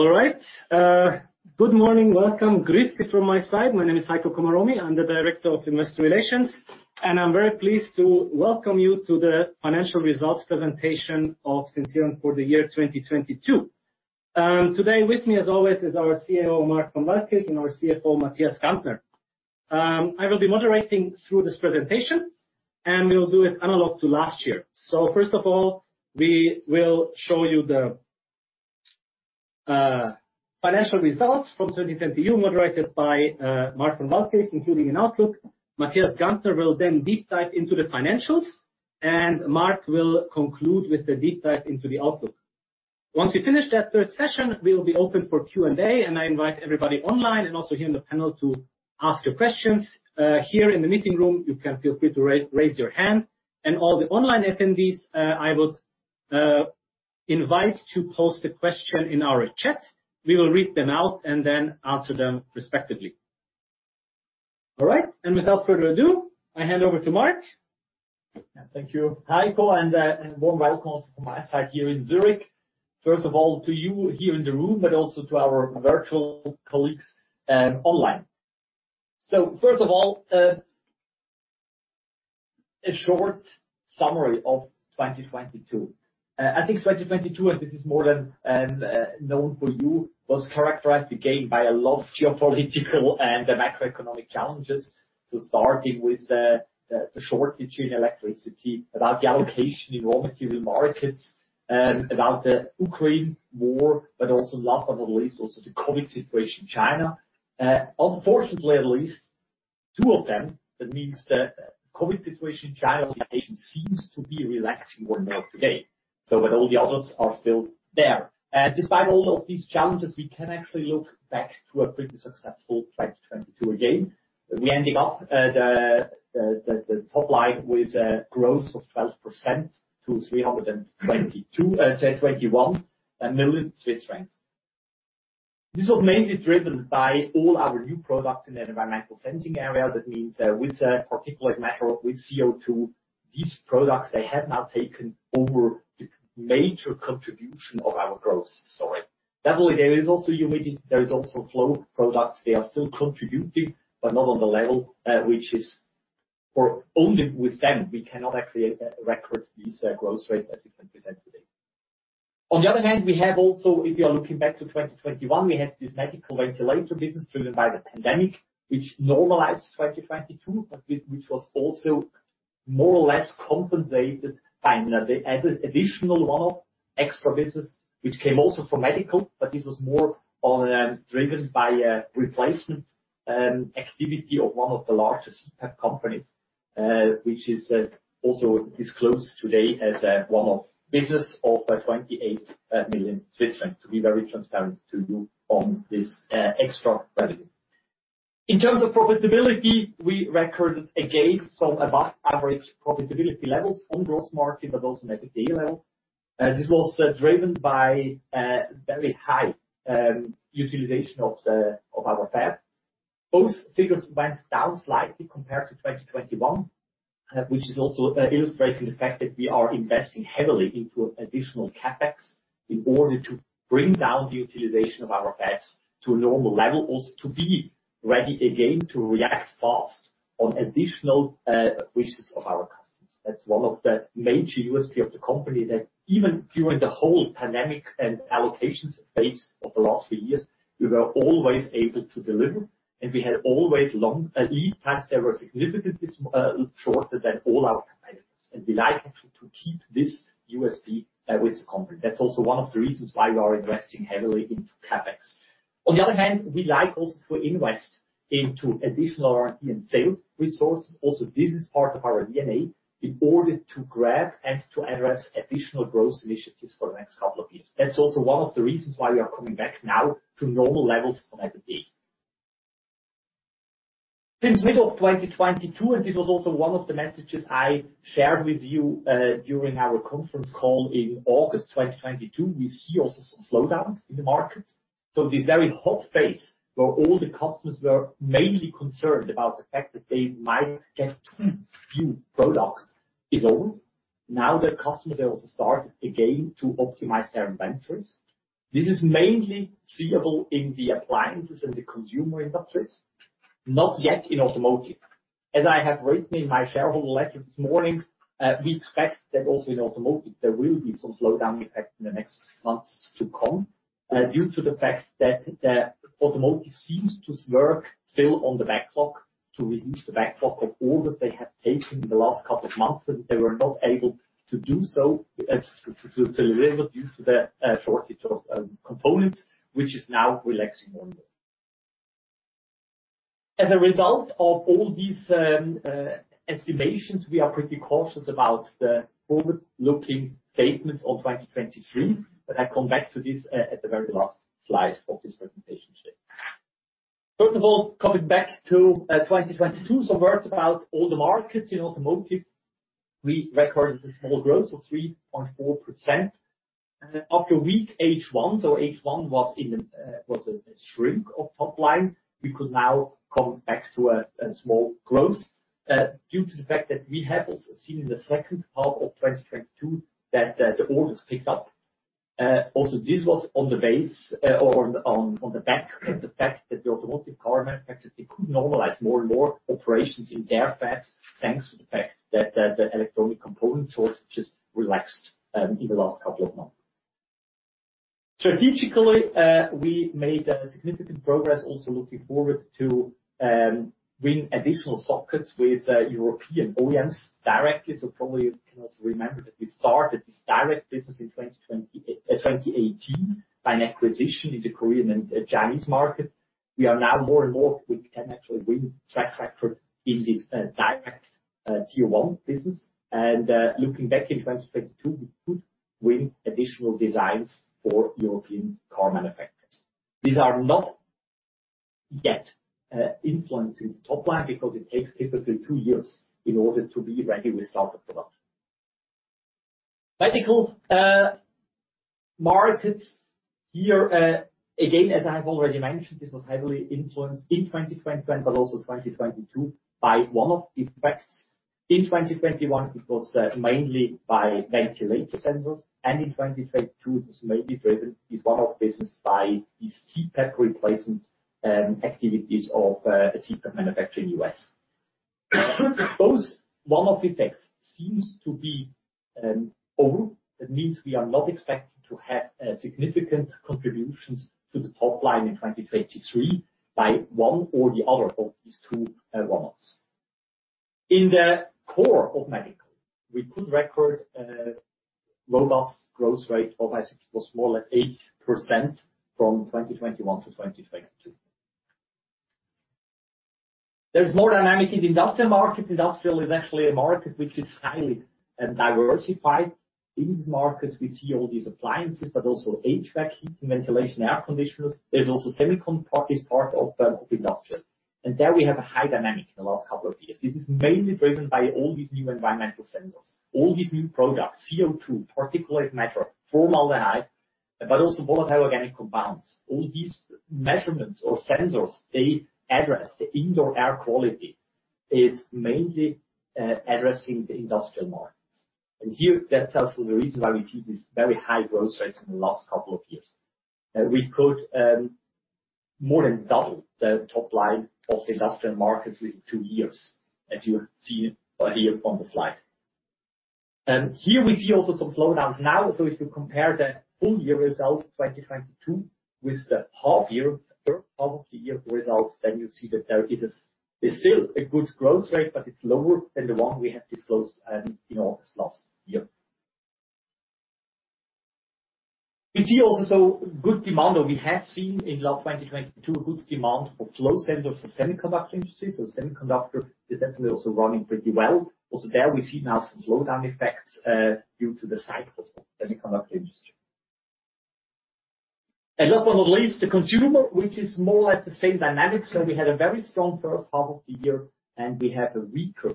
All right. Good morning. Welcome. Greetings from my side. My name is Heiko Komaromy. I'm the director of Investor Relations, and I'm very pleased to welcome you to the financial results presentation of Sensirion for the year 2022. Today with me, as always, is our CEO, Marc von Waldkirch, and our CFO, Matthias Gantner. I will be moderating through this presentation, and we will do it analog to last year. First of all, we will show you the financial results from 2022 moderated by Marc von Waldkirch, including an outlook. Matthias Gantner will then deep dive into the financials, and Marc will conclude with the deep dive into the outlook. Once we finish that third session, we will be open for Q&A, and I invite everybody online and also here in the panel to ask your questions. Here in the meeting room, you can feel free to raise your hand. All the online attendees, I would invite to post a question in our chat. We will read them out and then answer them respectively. All right, without further ado, I hand over to Marc. Yes, thank you, Heiko, and warm welcome also from my side here in Zurich, first of all to you here in the room but also to our virtual colleagues, online. First of all, a short summary of 2022. I think 2022, and this is more than known for you, was characterized again by a lot of geopolitical and macroeconomic challenges. Starting with the shortage in electricity, about the allocation in raw material markets, about the Ukraine war, but also last but not least, also the COVID situation in China. Unfortunately, at least two of them, that means the COVID situation in China allocation seems to be relaxing more now today. But all the others are still there. Despite all of these challenges, we can actually look back to a pretty successful 2022 again. We ending up the top line with a growth of 12% to 322 21 million. This was mainly driven by all our new products in the environmental sensing area. That means with particulate matter, with CO2, these products, they have now taken over the major contribution of our growth story. There is also humidity, there is also flow products. They are still contributing, but not on the level, which is for only with them we cannot actually record these growth rates as we can present today. On the other hand, we have also, if you are looking back to 2021, we had this medical ventilator business driven by the pandemic, which normalized 2022, but which was also more or less compensated by an additional one-off extra business which came also from medical, but this was more on, driven by a replacement activity of one of the largest fab companies, which is also disclosed today as a one-off business of 28 million Swiss francs, to be very transparent to you on this extra value. In terms of profitability, we recorded again some above average profitability levels on gross margin but also in EBITDA level. This was driven by very high utilization of our fab. Both figures went down slightly compared to 2021, which is also illustrating the fact that we are investing heavily into additional CapEx in order to bring down the utilization of our fab to a normal level, also to be ready again to react fast on additional wishes of our customers. That's one of the major USP of the company that even during the whole pandemic and allocations phase of the last few years, we were always able to deliver, and we had always long lead times that were significantly shorter than all our competitors. We like actually to keep this USP with the company. That's also one of the reasons why we are investing heavily into CapEx. On the other hand, we like also to invest into additional R&D and sales resources, also this is part of our DNA, in order to grab and to address additional growth initiatives for the next couple of years. That's also one of the reasons why we are coming back now to normal levels of EBITDA. Since middle of 2022, and this was also one of the messages I shared with you, during our conference call in August 2022, we see also some slowdowns in the market. This very hot phase where all the customers were mainly concerned about the fact that they might get too few products is over. Now the customers, they also start again to optimize their inventories. This is mainly seeable in the appliances and the consumer industries, not yet in automotive. As I have written in my shareholder letter this morning, we expect that also in automotive there will be some slowdown effect in the next months to come, due to the fact that the automotive seems to work still on the backlog to reduce the backlog of orders they have taken in the last couple of months, that they were not able to do so, to deliver due to the shortage of components, which is now relaxing more and more. As a result of all these estimations, we are pretty cautious about the forward-looking statements of 2023, but I come back to this at the very last slide of this presentation today. First of all, coming back to 2022, some words about all the markets. In automotive, we recorded a small growth of 3.4%. After a weak H1, so H1 was in the, was a shrink of top line, we could now come back to a small growth due to the fact that we have also seen in the second half of 2022 that the orders picked up. Also this was on the base or on the back of the fact that the automotive car manufacturers, they could normalize more and more operations in their plants, thanks to the fact that the electronic component shortages relaxed in the last couple of months. Strategically, we made a significant progress also looking forward to win additional sockets with European OEMs directly. Probably you can also remember that we started this direct business in 2018 by an acquisition in the Korean and Chinese market. We are now more and more, we can actually win track record in this direct Tier 1 business. Looking back in 2022, we could win additional designs for European car manufacturers. These are not yet influencing top line because it takes typically two years in order to be ready with start of production. Medical markets here again, as I have already mentioned, this was heavily influenced in 2020, but also 2022 by one-off effects. In 2021, it was mainly by ventilator sensors, and in 2022, it was mainly driven with one-off business by these CPAP replacement activities of a CPAP manufacturer in U.S. Those one-off effects seems to be over. That means we are not expecting to have significant contributions to the top line in 2023 by one or the other of these two one-offs. In the core of medical, we could record a robust growth rate of, I think it was more or less 8% from 2021 to 2022. There is more dynamic in industrial market. Industrial is actually a market which is highly diversified. In these markets, we see all these appliances, but also HVAC, heating, ventilation, air conditioners. There's also semiconductor is part of industrial. There we have a high dynamic in the last couple of years. This is mainly driven by all these new environmental sensors. All these new products, CO2, particulate matter, formaldehyde, but also Volatile Organic Compounds. All these measurements or sensors they address, the indoor air quality is mainly addressing the industrial markets. Here that tells you the reason why we see these very high growth rates in the last couple of years. We could more than double the top line of industrial markets within two years as you have seen here on the slide. Here we see also some slowdowns now. If you compare the full year results, 2022, with the half year, first half of the year results, then you see that there is still a good growth rate, but it's lower than the one we have disclosed in August last year. We see also good demand, or we have seen in last 2022, a good demand for flow sensors for semiconductor industry. Semiconductor is definitely also running pretty well. Also there we see now some slowdown effects due to the cycle of semiconductor industry. Last but not least, the consumer, which is more or less the same dynamic. We had a very strong first half of the year, and we have a weaker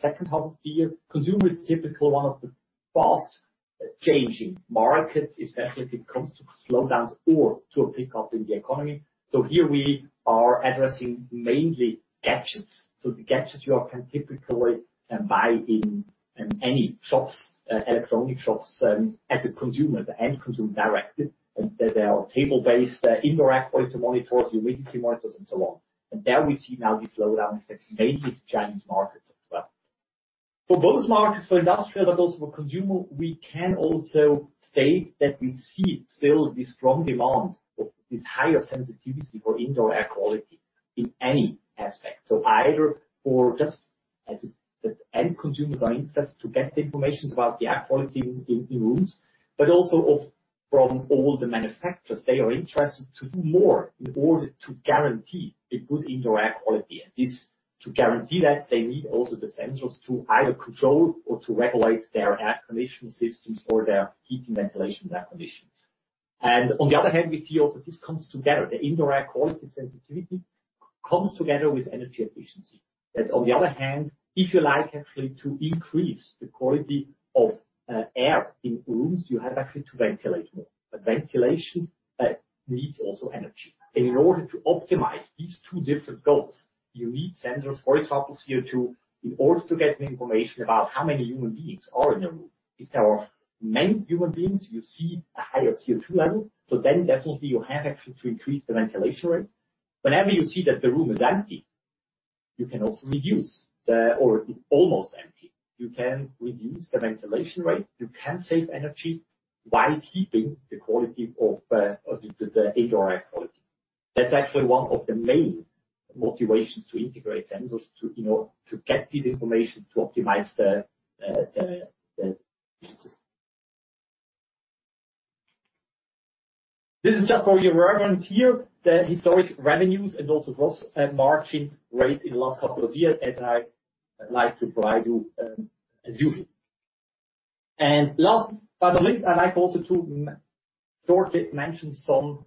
second half of the year. Consumer is typically one of the fast-changing markets, especially if it comes to slowdowns or to a pickup in the economy. Here we are addressing mainly gadgets. The gadgets you can typically buy in any shops, electronic shops, as a consumer, the end consumer directly. They are table-based, indoor air quality monitors, humidity monitors and so on. There we see now these slowdown effects, mainly the Chinese markets as well. For both markets, for industrial and also for consumer, we can also state that we see still the strong demand of this higher sensitivity for indoor air quality in any aspect. Either for just as the end consumers are interested to get the information about the air quality in rooms, but also from all the manufacturers, they are interested to do more in order to guarantee a good indoor air quality. This, to guarantee that, they need also the sensors to either control or to regulate their air conditioning systems or their heating ventilation air conditions. On the other hand, we see also this comes together. The indoor air quality sensitivity comes together with energy efficiency. On the other hand, if you like actually to increase the quality of air in rooms, you have actually to ventilate more. Ventilation needs also energy. In order to optimize these two different goals, you need sensors, for example, CO2, in order to get the information about how many human beings are in a room. If there are many human beings, you see a higher CO2 level. Definitely you have actually to increase the ventilation rate. Whenever you see that the room is empty, or almost empty, you can reduce the ventilation rate. You can save energy while keeping the quality of the indoor air quality. That's actually one of the main motivations to integrate sensors to, you know, to get this information to optimize the system. This is just for your reference here, the historic revenues and also gross margin rate in the last couple of years, as I like to provide you as usual. Last but not least, I like also to shortly mention some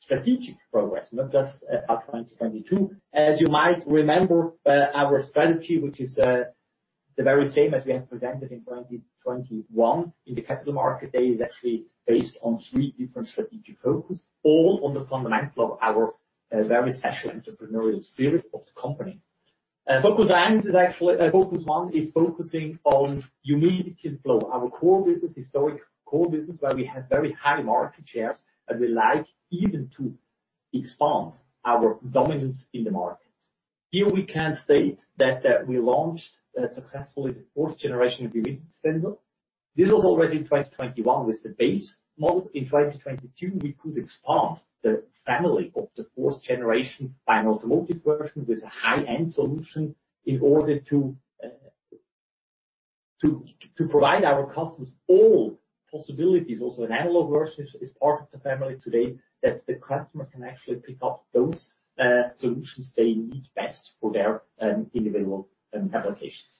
strategic progress, not just of 2022. You might remember, our strategy, which is the very same as we have presented in 2021 in the capital market day, is actually based on three different strategic focus, all on the fundamental of our very special entrepreneurial spirit of the company. Focus One is actually focusing on humidity and flow. Our core business, historic core business, where we have very high market shares, and we like even to expand our dominance in the markets. Here we can state that we launched successfully the fourth generation of humidity sensor. This was already in 2021 with the base model. In 2022, we could expand the family of the fourth generation by an automotive version with a high-end solution in order to provide our customers all possibilities. Also, an analog version is part of the family today that the customers can actually pick up those solutions they need best for their individual applications.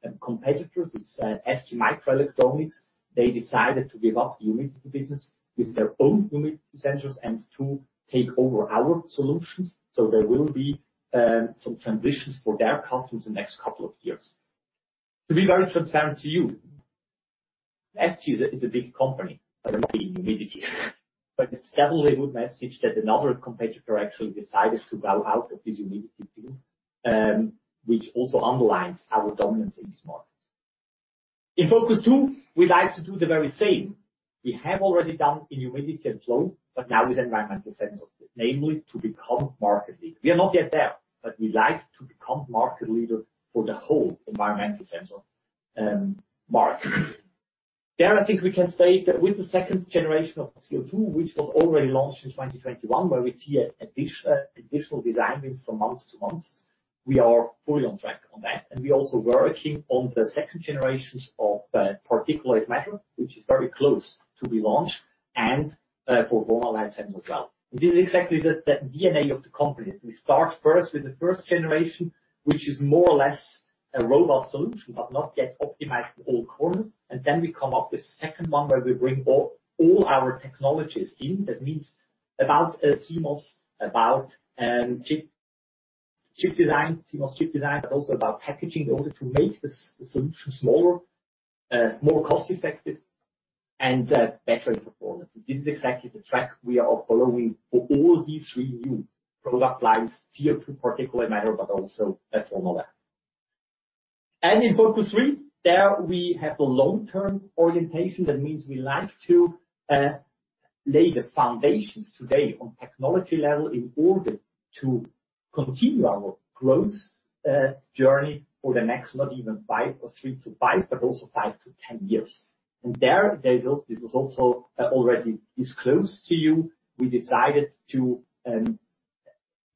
Secondly, we have recently, I think it was last year, last week, we announced that one of our competitors, it's STMicroelectronics, they decided to give up humidity business with their own humidity centers and to take over our solutions. There will be some transitions for their customers the next couple of years. To be very transparent to you, ST is a big company, but not in humidity. It's definitely a good message that another competitor actually decided to bow out of this humidity field, which also underlines our dominance in these markets. In Focus two, we like to do the very same. We have already done in humidity and flow. Now with environmental sensors, namely to become market leader. We are not yet there. We like to become market leader for the whole environmental sensor market. There, I think we can say that with the 2nd- generation of CO2, which was already launched in 2021, where we see additional design wins from months to months, we are fully on track on that. We're also working on the second generations of particulate matter, which is very close to be launched and for formaldehyde as well. This is exactly the DNA of the company. We start first with the first generation, which is more or less a robust solution, but not yet optimized in all corners. Then we come up with second one, where we bring all our technologies in. That means about CMOS, about chip design, CMOS chip design, but also about packaging in order to make the solution smaller, more cost-effective and better in performance. This is exactly the track we are following for all these three new product lines, CO2, particulate matter, but also formaldehyde. In Focus Three, there we have the long-term orientation. That means we like to lay the foundations today on technology level in order to continue our growth journey for the next not even 5 or 3-5, but also 5-10 years. There, this was also already disclosed to you. We decided to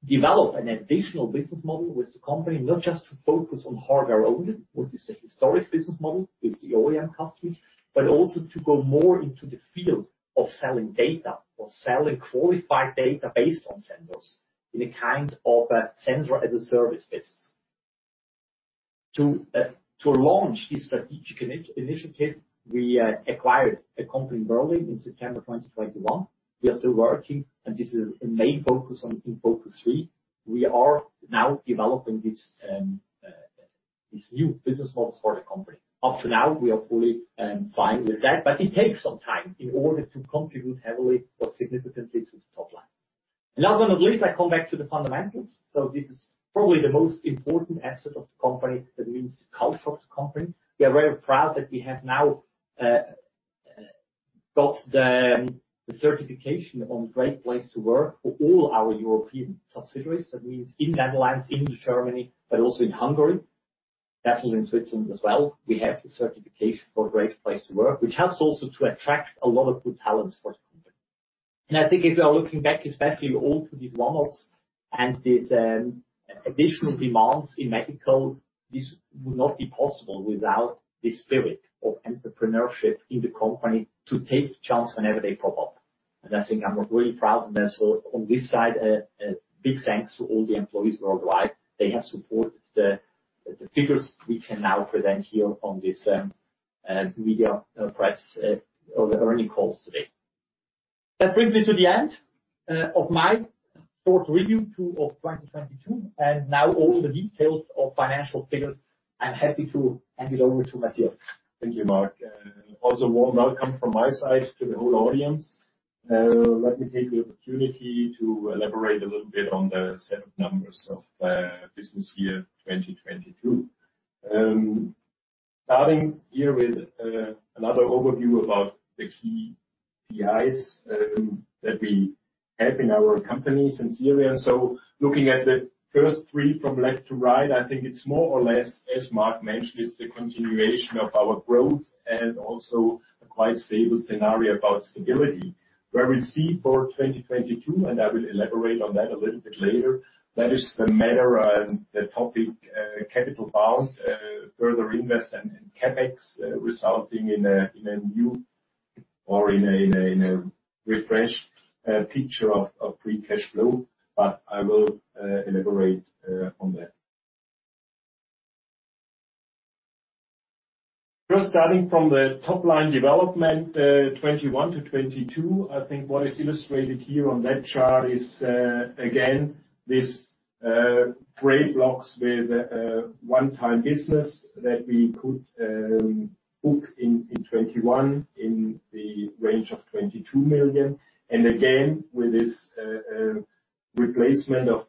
develop an additional business model with the company, not just to focus on hardware only, which is the historic business model with the OEM customers, but also to go more into the field of selling data or selling qualified data based on sensors in a kind of a Sensor as a Service basis. To launch this strategic initiative, we acquired a company in Berlin in September 2021. We are still working, and this is a main focus on, in Focus Three. We are now developing this new business models for the company. Up to now, we are fully fine with that, but it takes some time in order to contribute heavily but significantly to the top line. Last but not least, I come back to the fundamentals. This is probably the most important asset of the company. That means culture of the company. We are very proud that we have now got the certification on Great Place to Work for all our European subsidiaries. That means in Netherlands, in Germany, but also in Hungary, definitely in Switzerland as well. We have the certification for Great Place to Work, which helps also to attract a lot of good talents for the company. I think if we are looking back, especially all through these lockdowns and these additional demands in medical, this would not be possible without the spirit of entrepreneurship in the company to take chances whenever they pop up. I think I'm really proud. Also on this side, a big thanks to all the employees worldwide. They have supported the figures we can now present here on this media press or the earning calls today. That brings me to the end of my short review of 2022. Now all the details of financial figures, I'm happy to hand it over to Matthias. Thank you, Marc. Also, warm welcome from my side to the whole audience. Let me take the opportunity to elaborate a little bit on the set of numbers of business year 2022. Starting here with another overview about the KPIs that we have in our company Sensirion. Looking at the first three from left to right, I think it's more or less, as Marc mentioned, it's the continuation of our growth and also a quite stable scenario about stability. Where we see for 2022, and I will elaborate on that a little bit later, that is the matter, the topic, capital bound, further invest and CapEx, resulting in a new or in a refreshed picture of free cash flow. I will elaborate on that. First starting from the top line development, 2021 to 2022. I think what is illustrated here on that chart is again, this great blocks with one time business that we could book in 2021 in the range of 22 million. Again, with this replacement of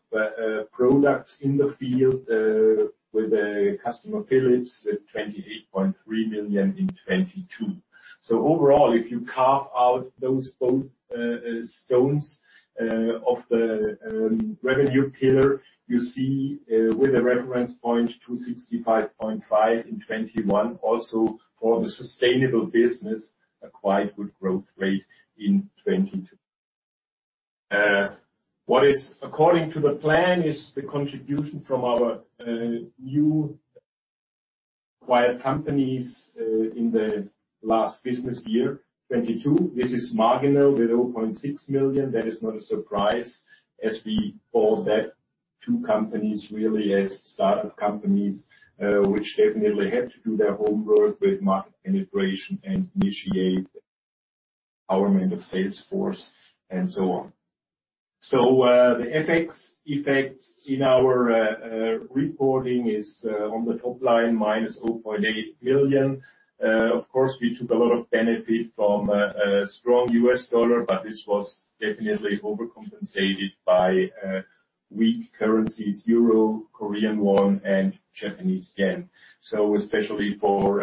products in the field, with customer Philips with 28.3 million in 2022. Overall, if you carve out those both stones of the revenue pillar, you see with a reference point 265.5 million in 2021, also for the sustainable business, a quite good growth rate in 2022. What is according to the plan is the contribution from our new acquired companies in the last business year, 2022. This is marginal with 0.6 million. That is not a surprise as we bought that two companies, really, as start-up companies, which definitely had to do their homework with market integration and initiate empowerment of sales force and so on. The FX effects in our reporting is on the top line, -0.8 billion. Of course, we took a lot of benefit from a strong US dollar, this was definitely overcompensated by weak currencies, Euro, Korean won, and Japanese yen. Especially for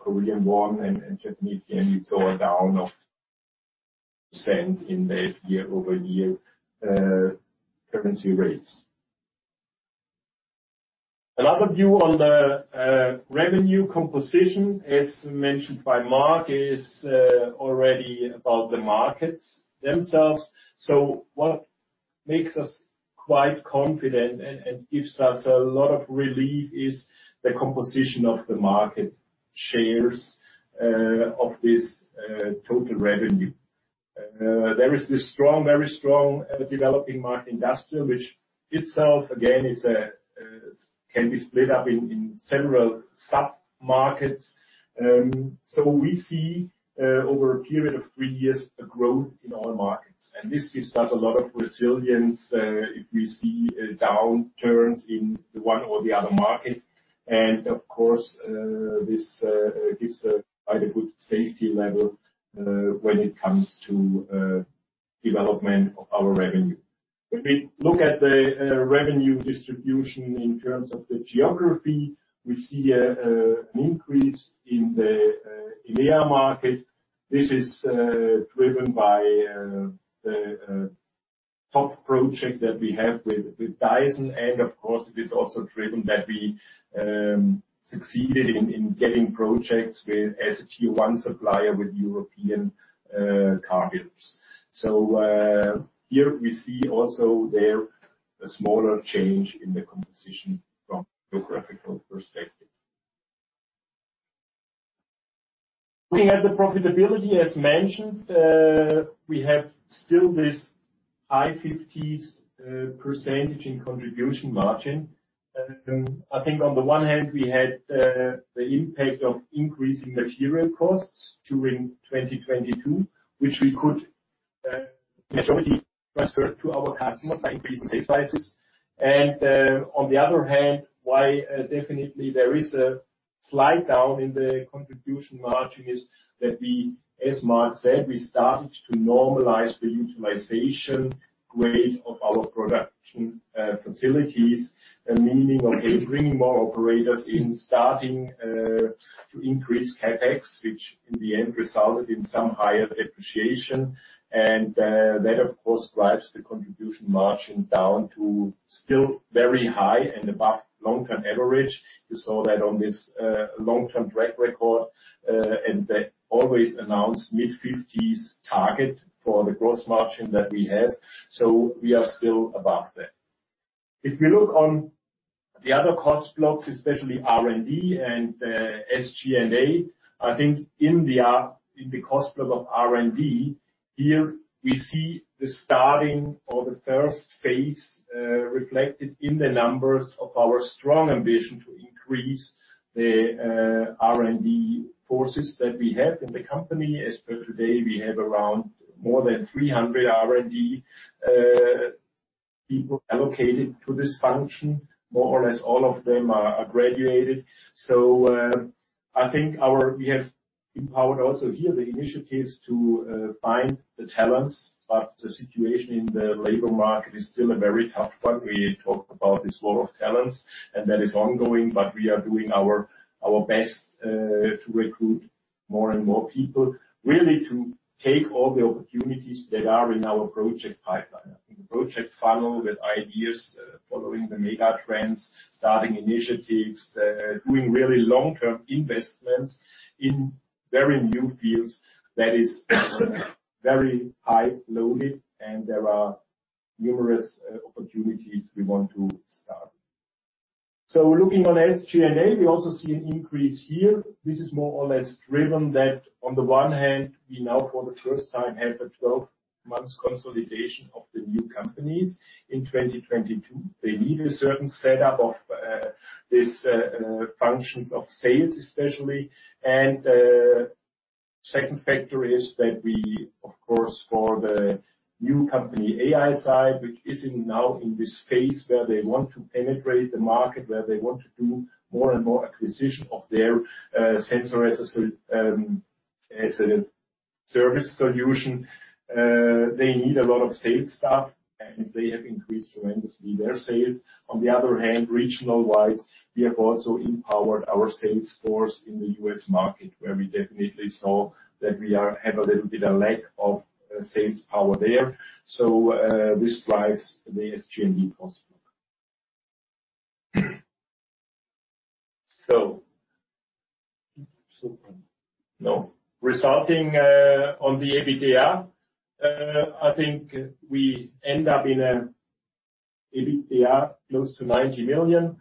Korean won and Japanese yen, we saw a down of percentage in the year-over-year currency rates. A lot of you on the revenue composition, as mentioned by Marc, is already about the markets themselves. What makes us quite confident and gives us a lot of relief is the composition of the market shares of this total revenue. There is this strong, very strong developing market industrial, which itself again is can be split up in several sub-markets. We see over a period of three years, a growth in all markets. This gives us a lot of resilience if we see downturns in one or the other market. Of course, this gives quite a good safety level when it comes to development of our revenue. When we look at the revenue distribution in terms of the geography, we see an increase in the EMEA market. This is driven by the top project that we have with Dyson. Of course, it is also driven that we succeeded in getting projects with Tier 1 supplier with European car builders. Here we see also there a smaller change in the composition from geographical perspective. Looking at the profitability, as mentioned, we have still this high 50s% in contribution margin. I think on the one hand, we had the impact of increasing material costs during 2022, which we could majority transfer to our customer by increasing sales prices. On the other hand, why definitely there is a slight down in the contribution margin is that we, as Marc said, we started to normalize the utilization rate of our production facilities. Meaning, okay, bringing more operators in, starting to increase CapEx, which in the end, resulted in some higher depreciation. That, of course, drives the contribution margin down to still very high and above long-term average. You saw that on this long-term track record and the always announced mid-50s target for the gross margin that we have. We are still above that. If we look on the other cost blocks, especially R&D and SG&A, I think in the in the cost block of R&D, here we see the starting or the first phase reflected in the numbers of our strong ambition to increase the R&D forces that we have in the company. As per today, we have around more than 300 R&D people allocated to this function. More or less all of them are graduated. We have empowered also here the initiatives to find the talents, but the situation in the labor market is still a very tough one. We talked about this war of talents, and that is ongoing, but we are doing our best to recruit more and more people, really to take all the opportunities that are in our project pipeline. I think the project funnel with ideas, following the mega trends, starting initiatives, doing really long-term investments in very new fields that is very high loaded, and there are numerous opportunities we want to start. Looking on SG&A, we also see an increase here. This is more or less driven that on the one hand, we now for the first time have a 12 months consolidation of the new companies in 2022. They need a certain setup of This functions of sales especially. Second factor is that we, of course, for the new company AiSight, which is in now in this phase where they want to penetrate the market, where they want to do more and more acquisition of their Sensor as a Service solution. They need a lot of sales staff, and they have increased tremendously their sales. On the other hand, regional wise, we have also empowered our sales force in the U.S. market, where we definitely saw that we have a little bit of lack of sales power there. This drives the SG&A cost up. No, resulting on the EBITDA, I think we end up in an EBITDA close to 90 million.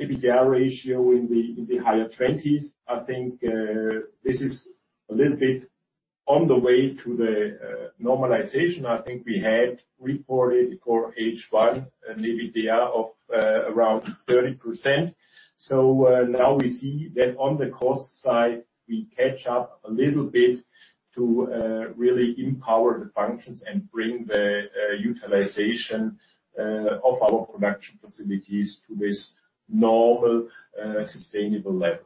EBITDA ratio in the higher 20s%. I think this is a little bit on the way to the normalization. I think we had reported for H1 an EBITDA of around 30%. Now we see that on the cost side, we catch up a little bit to really empower the functions and bring the utilization of our production facilities to this normal sustainable level.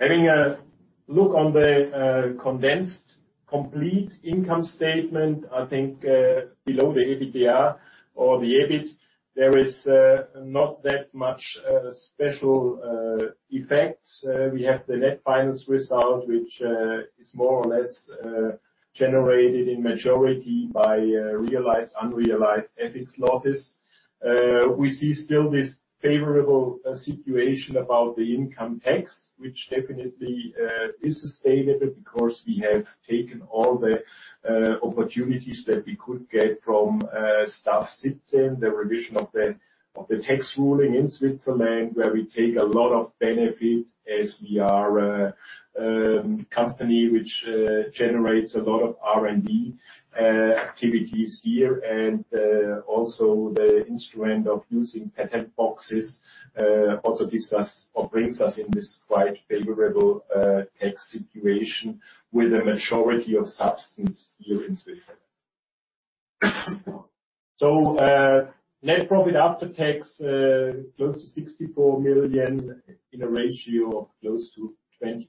Having a look on the condensed complete income statement, I think, below the EBITDA or the EBIT, there is not that much special effects. We have the net finance result, which is more or less generated in majority by realized, unrealized FX losses. We see still this favorable situation about the income tax, which definitely is sustainable because we have taken all the opportunities that we could get from STAF, the revision of the tax ruling in Switzerland, where we take a lot of benefit as we are a company which generates a lot of R&D activities here. Also the instrument of using patent boxes also gives us or brings us in this quite favorable tax situation with a majority of substance here in Switzerland. So net profit after tax close to 64 million in a ratio of close to 20%.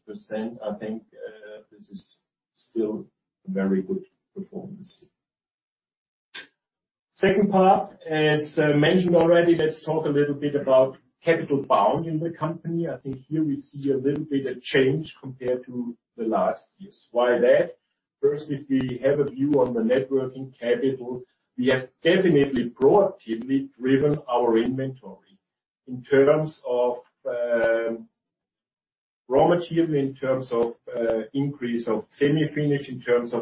I think this is still very good performance. Second part, as mentioned already, let's talk a little bit about capital bound in the company. I think here we see a little bit of change compared to the last years. Why that? First, if we have a view on the networking capital, we have definitely proactively driven our inventory in terms of, raw material, in terms of, increase of semi-finish, in terms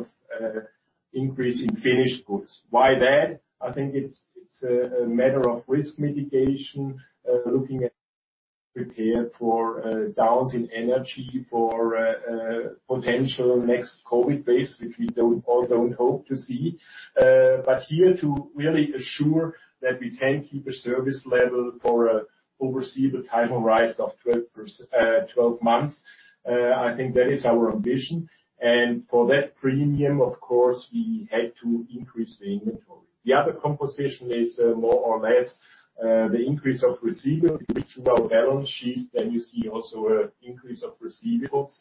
of, increase in finished goods. Why that? I think it's a matter of risk mitigation, looking at prepare for, downs in energy, for, potential next COVID waves, which we don't hope to see. but here to really assure that we can keep a service level for a foreseeable time horizon of 12 months. I think that is our ambition. For that premium, of course, we had to increase the inventory. The other composition is more or less, the increase of receivables. If you look to our balance sheet, you see also a increase of receivables.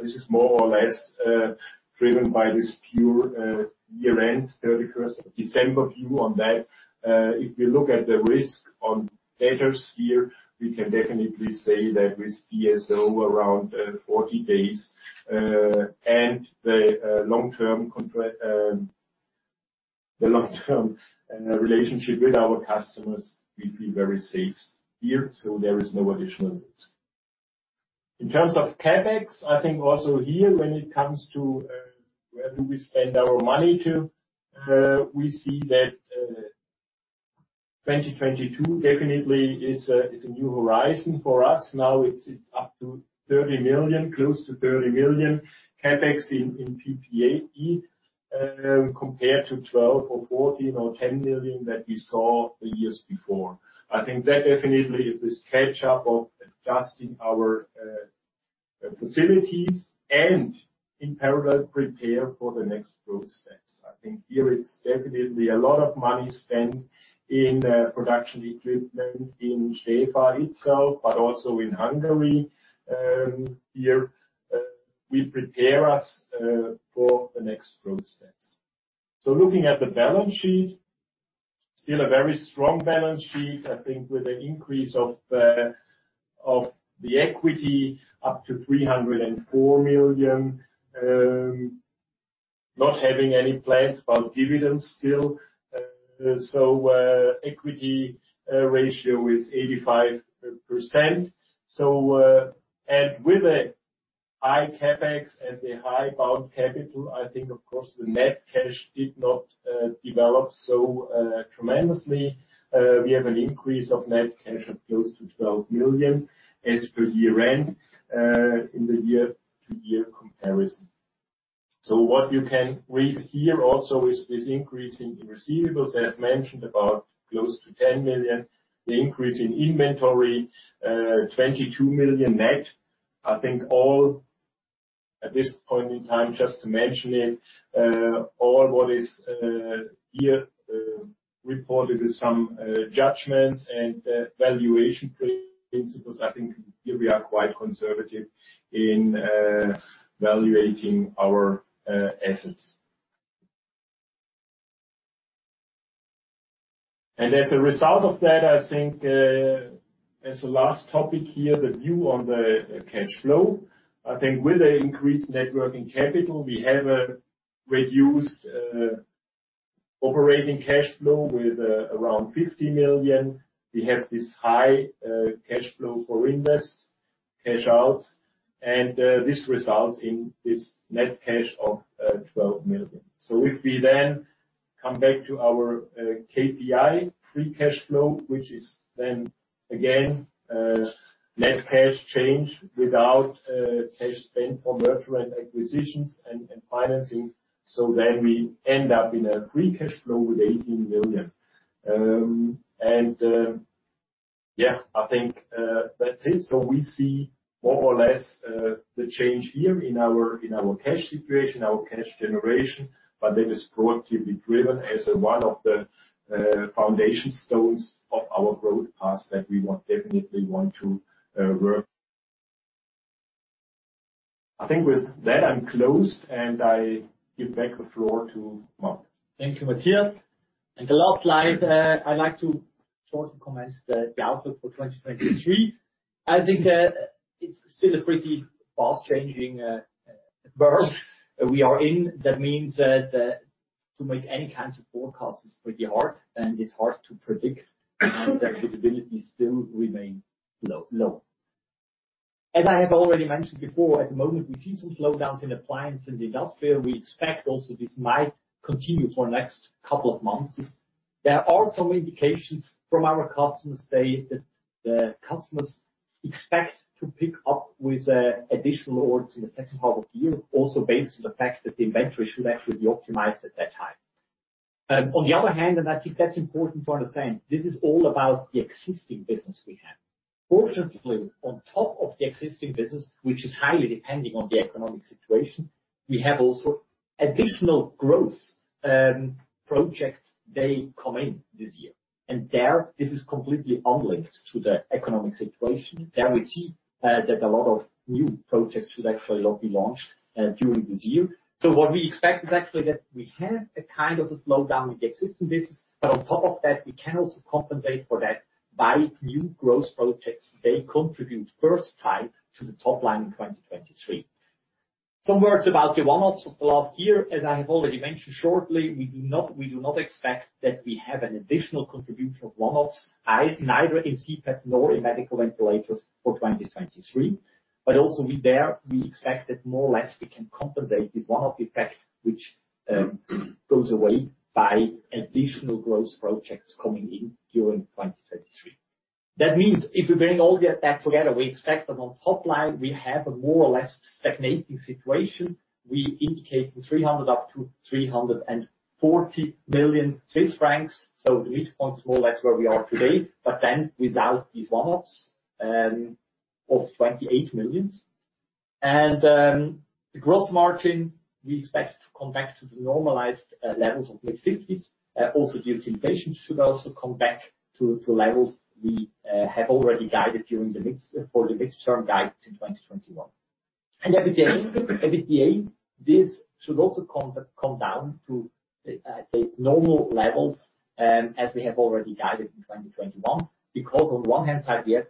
This is more or less driven by this pure 31st of December view on that. If we look at the risk on debtors here, we can definitely say that with DSO around 40 days and the long-term relationship with our customers, we feel very safe here, so there is no additional risk. In terms of CapEx, I think also here, when it comes to where do we spend our money to, we see that 2022 definitely is a new horizon for us. Now it's up to 30 million, close to 30 million CapEx in PP&E, compared to 12 million or 14 million or 10 million that we saw the years before. I think that definitely is this catch-up of adjusting our facilities and in parallel prepare for the next growth steps. I think here it's definitely a lot of money spent in production equipment in Stäfa itself, but also in Hungary. Here, we prepare us for the next growth steps. Looking at the balance sheet, still a very strong balance sheet, I think with an increase of the equity up to 304 million. Not having any plans about dividends still. So, equity ratio is 85%. And with a high CapEx and a high bound capital, I think of course, the net cash did not develop so tremendously. We have an increase of net cash of close to 12 million as per year-end in the year-to-year comparison. What you can read here also is this increase in receivables, as mentioned, about close to 10 million. The increase in inventory, 22 million net. I think all at this point in time, just to mention it, all what is here reported with some judgments and valuation principles. I think here we are quite conservative in valuating our assets. As a result of that, I think, as a last topic here, the view on the cash flow. I think with the increased net working capital, we have a reduced operating cash flow with around 50 million. We have this high cash flow for invest, cash out, and this results in this net cash of 12 million. If we then come back to our KPI free cash flow, which is then again net cash change without cash spent for merger and acquisitions and financing. We end up in a free cash flow with 18 million. Yeah, I think that's it. We see more or less the change here in our cash situation, our cash generation, but that is proactively driven as one of the foundation stones of our growth path that we definitely want to work. I think with that, I'm closed, and I give back the floor to Marc. Thank you, Matthias. The last slide, I'd like to shortly comment the outlook for 2023. I think, it's still a pretty fast-changing world we are in. That means that, to make any kinds of forecasts is pretty hard, and it's hard to predict, and the visibility still remain low. As I have already mentioned before, at the moment we see some slowdowns in appliance and the industrial. We expect also this might continue for next couple of months. There are some indications from our customers say that the customers expect to pick up with additional orders in the second half of the year, also based on the fact that the inventory should actually be optimized at that time. On the other hand, and I think that's important to understand, this is all about the existing business we have. Fortunately, on top of the existing business, which is highly depending on the economic situation, we have also additional growth projects they come in this year. There, this is completely unlinked to the economic situation. There we see that a lot of new projects should actually now be launched during this year. What we expect is actually that we have a kind of a slowdown in the existing business, but on top of that, we can also compensate for that by new growth projects. They contribute first time to the top line in 2023. Some words about the one-offs of the last year. As I have already mentioned shortly, we do not expect that we have an additional contribution of one-offs, either in CPAP nor in medical ventilators for 2023. Also with there, we expect that more or less we can compensate this one-off effect, which goes away by additional growth projects coming in during 2023. That means if we bring all that together, we expect that on top line, we have a more or less stagnating situation. We indicate 300 million up to 340 million Swiss francs. The midpoint is more or less where we are today, but then without these one-offs, of 28 million. The gross margin we expect to come back to the normalized levels of mid-50s. Also due to inflation should also come back to levels we have already guided for the midterm guides in 2021. EBITDA, this should also come down to say normal levels, as we have already guided in 2021. On one hand side, we have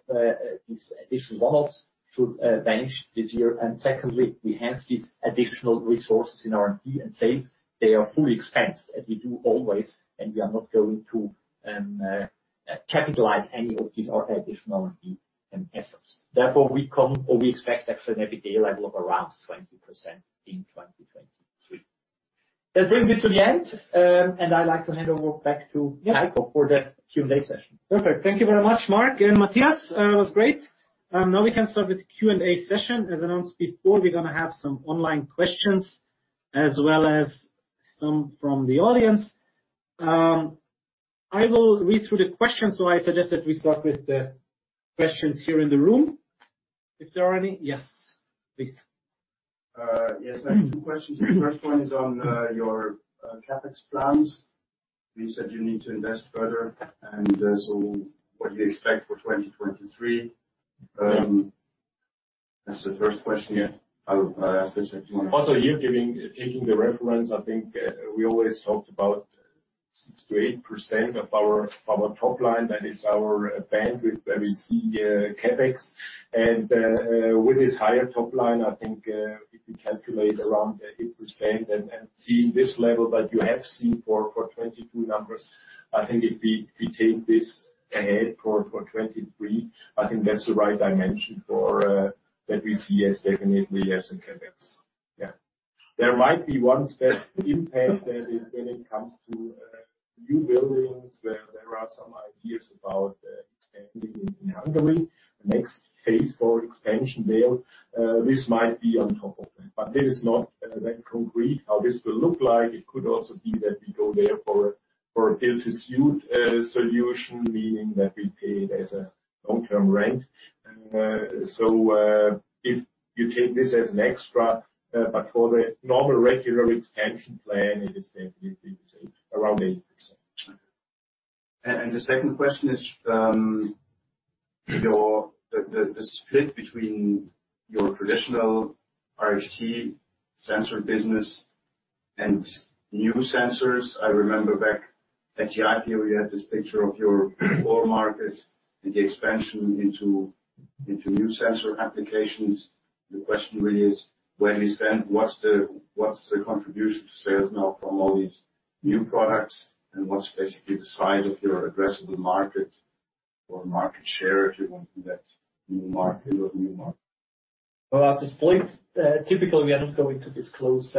these additional one-offs should vanish this year. Secondly, we have these additional resources in R&D and sales. They are fully expensed as we do always, and we are not going to capitalize any of these additional R&D efforts. We come or we expect actually an EBITDA level of around 20% in 2023. That brings me to the end, and I'd like to hand over back to Heiko for the Q&A session. Perfect. Thank you very much, Marc and Matthias. It was great. We can start with Q&A session. As announced before, we're going to have some online questions as well as some from the audience. I will read through the questions. I suggest that we start with the questions here in the room. If there are any. Yes, please. Yes. I have two questions. The first one is on your CapEx plans. You said you need to invest further, and so what do you expect for 2023? That's the first question. Yeah. I'll ask the second one. Here, taking the reference, I think, we always talked about 6%-8% of our top line. That is our bandwidth where we see CapEx. With this higher top line, I think, if you calculate around 8% and see this level that you have seen for 2022 numbers, I think if we take this ahead for 2023, I think that's the right dimension for that we see definitely as in CapEx. Yeah. There might be one step impact that is when it comes to. New buildings where there are some ideas about expanding in Hungary. The next phase for expansion there, this might be on top of that. This is not that concrete, how this will look like. It could also be that we go there for a build to suit solution, meaning that we pay it as a long-term rent. If you take this as an extra, but for the normal regular expansion plan, it is definitely around 80%. Okay. The second question is, the split between your traditional RHT sensor business and new sensors. I remember back at the IPO, you had this picture of your core market and the expansion into new sensor applications. The question really is, what's the contribution to sales now from all these new products and what's basically the size of your addressable market or market share, if you want, in that new market or new markets? Well, at this point, typically, we are not going to disclose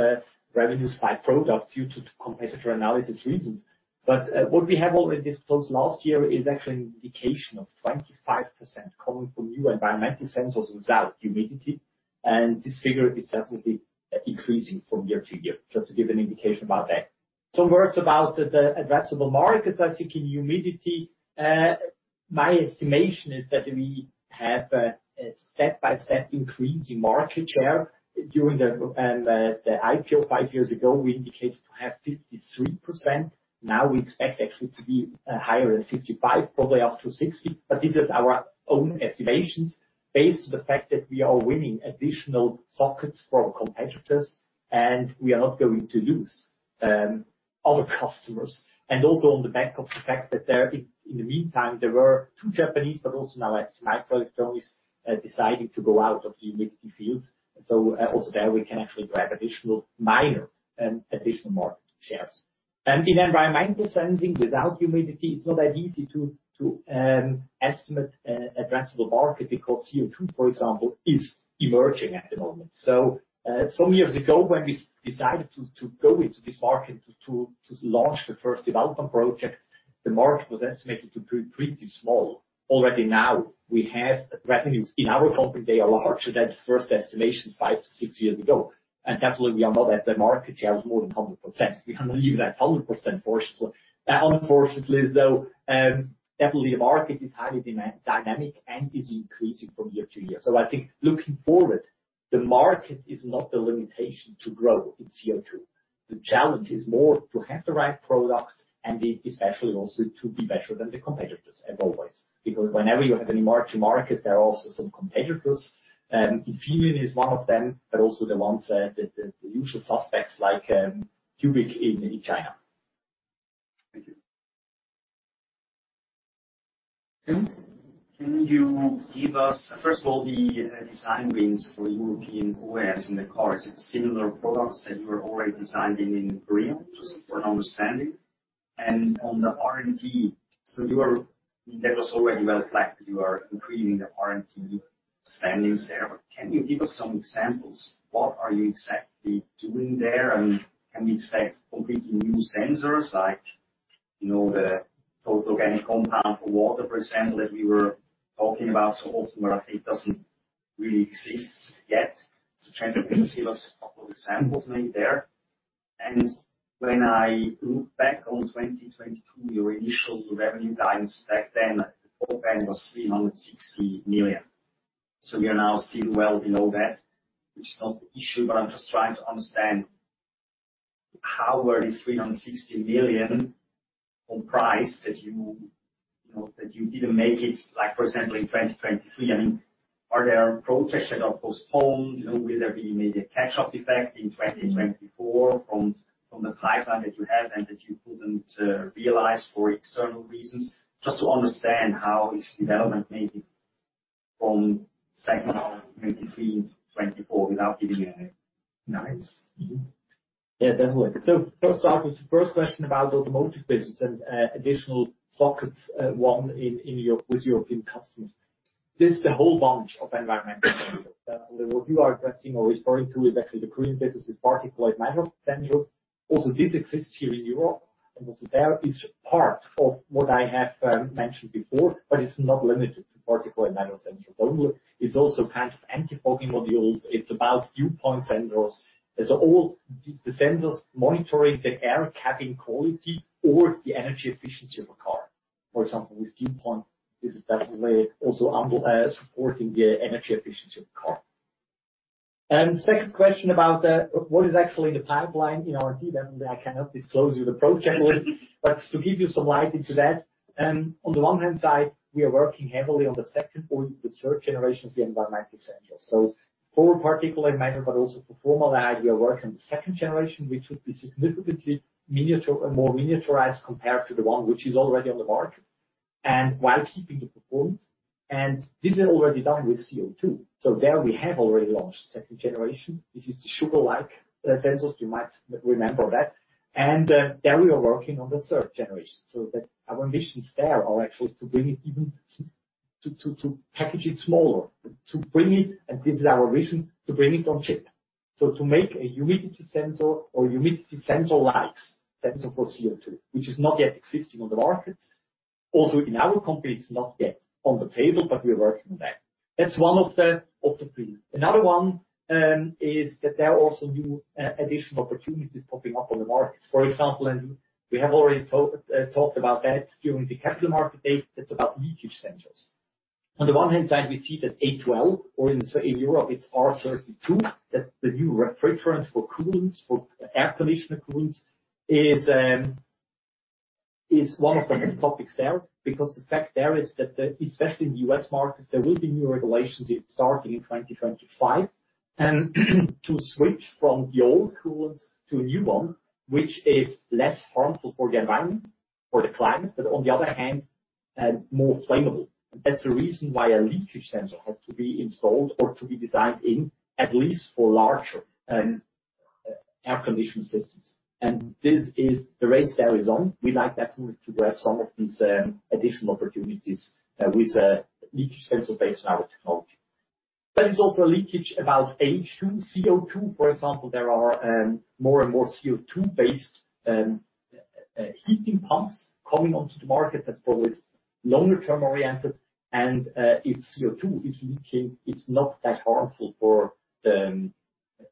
revenues by product due to competitor analysis reasons. What we have already disclosed last year is actually an indication of 25% coming from new environmental sensors without humidity. This figure is definitely increasing from year to year. Just to give an indication about that. Some words about the addressable markets. I think in humidity, my estimation is that we have a step-by-step increase in market share. During the IPO five years ago, we indicated to have 53%. Now we expect actually to be higher than 55%, probably up to 60%. These are our own estimations based on the fact that we are winning additional sockets from competitors, and we are not going to lose other customers. Also on the back of the fact that in the meantime, there were two Japanese, but also now as microelectronics deciding to go out of the humidity field. Also there we can actually grab additional minor, additional market shares. In environmental sensing, without humidity, it's not that easy to estimate addressable market because CO2, for example, is emerging at the moment. Some years ago, when we decided to go into this market to launch the first development project, the market was estimated to be pretty small. Already now we have revenues. In our company, they are larger than first estimations 5 to 6 years ago. Definitely we are not at the market share of more than 100%. We cannot believe that 100%, unfortunately. Unfortunately, though, definitely the market is highly dynamic and is increasing from year to year. I think looking forward, the market is not the limitation to grow in CO2. The challenge is more to have the right products and especially also to be better than the competitors, as always. Whenever you have a new emerging market, there are also some competitors. Infineon is one of them, but also the ones, the usual suspects like, Cubic in China. Thank you. Tim? Can you give us, first of all, the design wins for European OEMs in the cars? Is it similar products that you are already designing in Korea? Just for an understanding. On the R&D, that was already well flagged. You are increasing the R&D spendings there. Can you give us some examples? What are you exactly doing there? Can we expect completely new sensors like, you know, the Total Organic Compounds for water, for example, that we were talking about so often, but I think doesn't really exist yet? Can you give us a couple of examples maybe there? When I look back on 2022, your initial revenue guidance back then, the full bank was 360 million. We are now still well below that. Which is not the issue, but I'm just trying to understand how were these 360 million on price that you know, that you didn't make it, like for example, in 2023? I mean, are there projects that are postponed? You know, will there be maybe a catch-up effect in 2024 from the pipeline that you have and that you couldn't realize for external reasons? Just to understand how is development maybe from second half maybe 2024 without giving any guidance. Definitely. First off, the first question about automotive business and additional sockets won in Europe with European customers. This is a whole bunch of environmental sensors. What you are addressing or referring to is actually the Korean business is particulate matter sensors. Also, this exists here in Europe, and also there is part of what I have mentioned before, but it's not limited to particulate matter sensors only. It's also kind of antifogging modules. It's about dew point sensors. It's all the sensors monitoring the air cabin quality or the energy efficiency of a car. For example, with dew point, this is definitely also supporting the energy efficiency of the car. Second question about what is actually the pipeline in R&D. Definitely, I cannot disclose you the project. To give you some light into that, on the one hand side, we are working heavily on the second or the third generation of the environmental sensors. For particulate matter, but also for formaldehyde, we are working on the second generation, which would be significantly more miniaturized compared to the one which is already on the market, and while keeping the performance. This is already done with CO2. There we have already launched second generation. This is the sugar-like sensors, you might remember that. There we are working on the third generation. Our ambitions there are actually to bring it even to package it smaller. To bring it, and this is our reason, to bring it on chip. So to make a humidity sensor or humidity sensor likes sensor for CO2, which is not yet existing on the market. In our company, it's not yet on the table, but we are working on that. That's one of the opportunities. Another one is that there are also new additional opportunities popping up on the markets. For example, we have already talked about that during the capital market date. It's about leakage sensors. On the one hand side, we see that A2L or in Europe it's R32. That the new refrigerant for coolants, for air conditioner coolants is one of the hot topics there. The fact there is that the, especially in the U.S. markets, there will be new regulations starting in 2025, to switch from the old coolants to a new one, which is less harmful for the environment, for the climate, but on the other hand, more flammable. That's the reason why a leakage sensor has to be installed or to be designed in at least for larger air conditioning systems. This is the race that carries on. We like definitely to grab some of these additional opportunities with a leakage sensor based on our technology. There is also a leakage about H2, CO2, for example. There are more and more CO2-based heating pumps coming onto the market. That's probably longer term oriented, if CO2 is leaking, it's not that harmful for the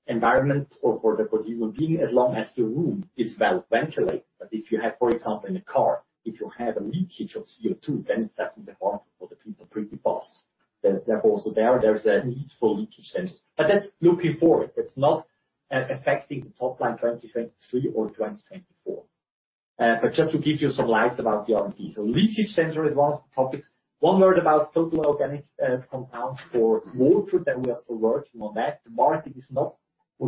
environment or for the human being, as long as the room is well-ventilated. If you have, for example, in a car, if you have a leakage of CO2, then it's definitely harmful for the people pretty fast. Therefore, there's a need for leakage sensor. That's looking forward. That's not affecting the top line 2023 or 2024. Just to give you some lights about the R&D. Leakage sensor is one of the topics. One word about Total Organic Compounds for water that we are still working on that. What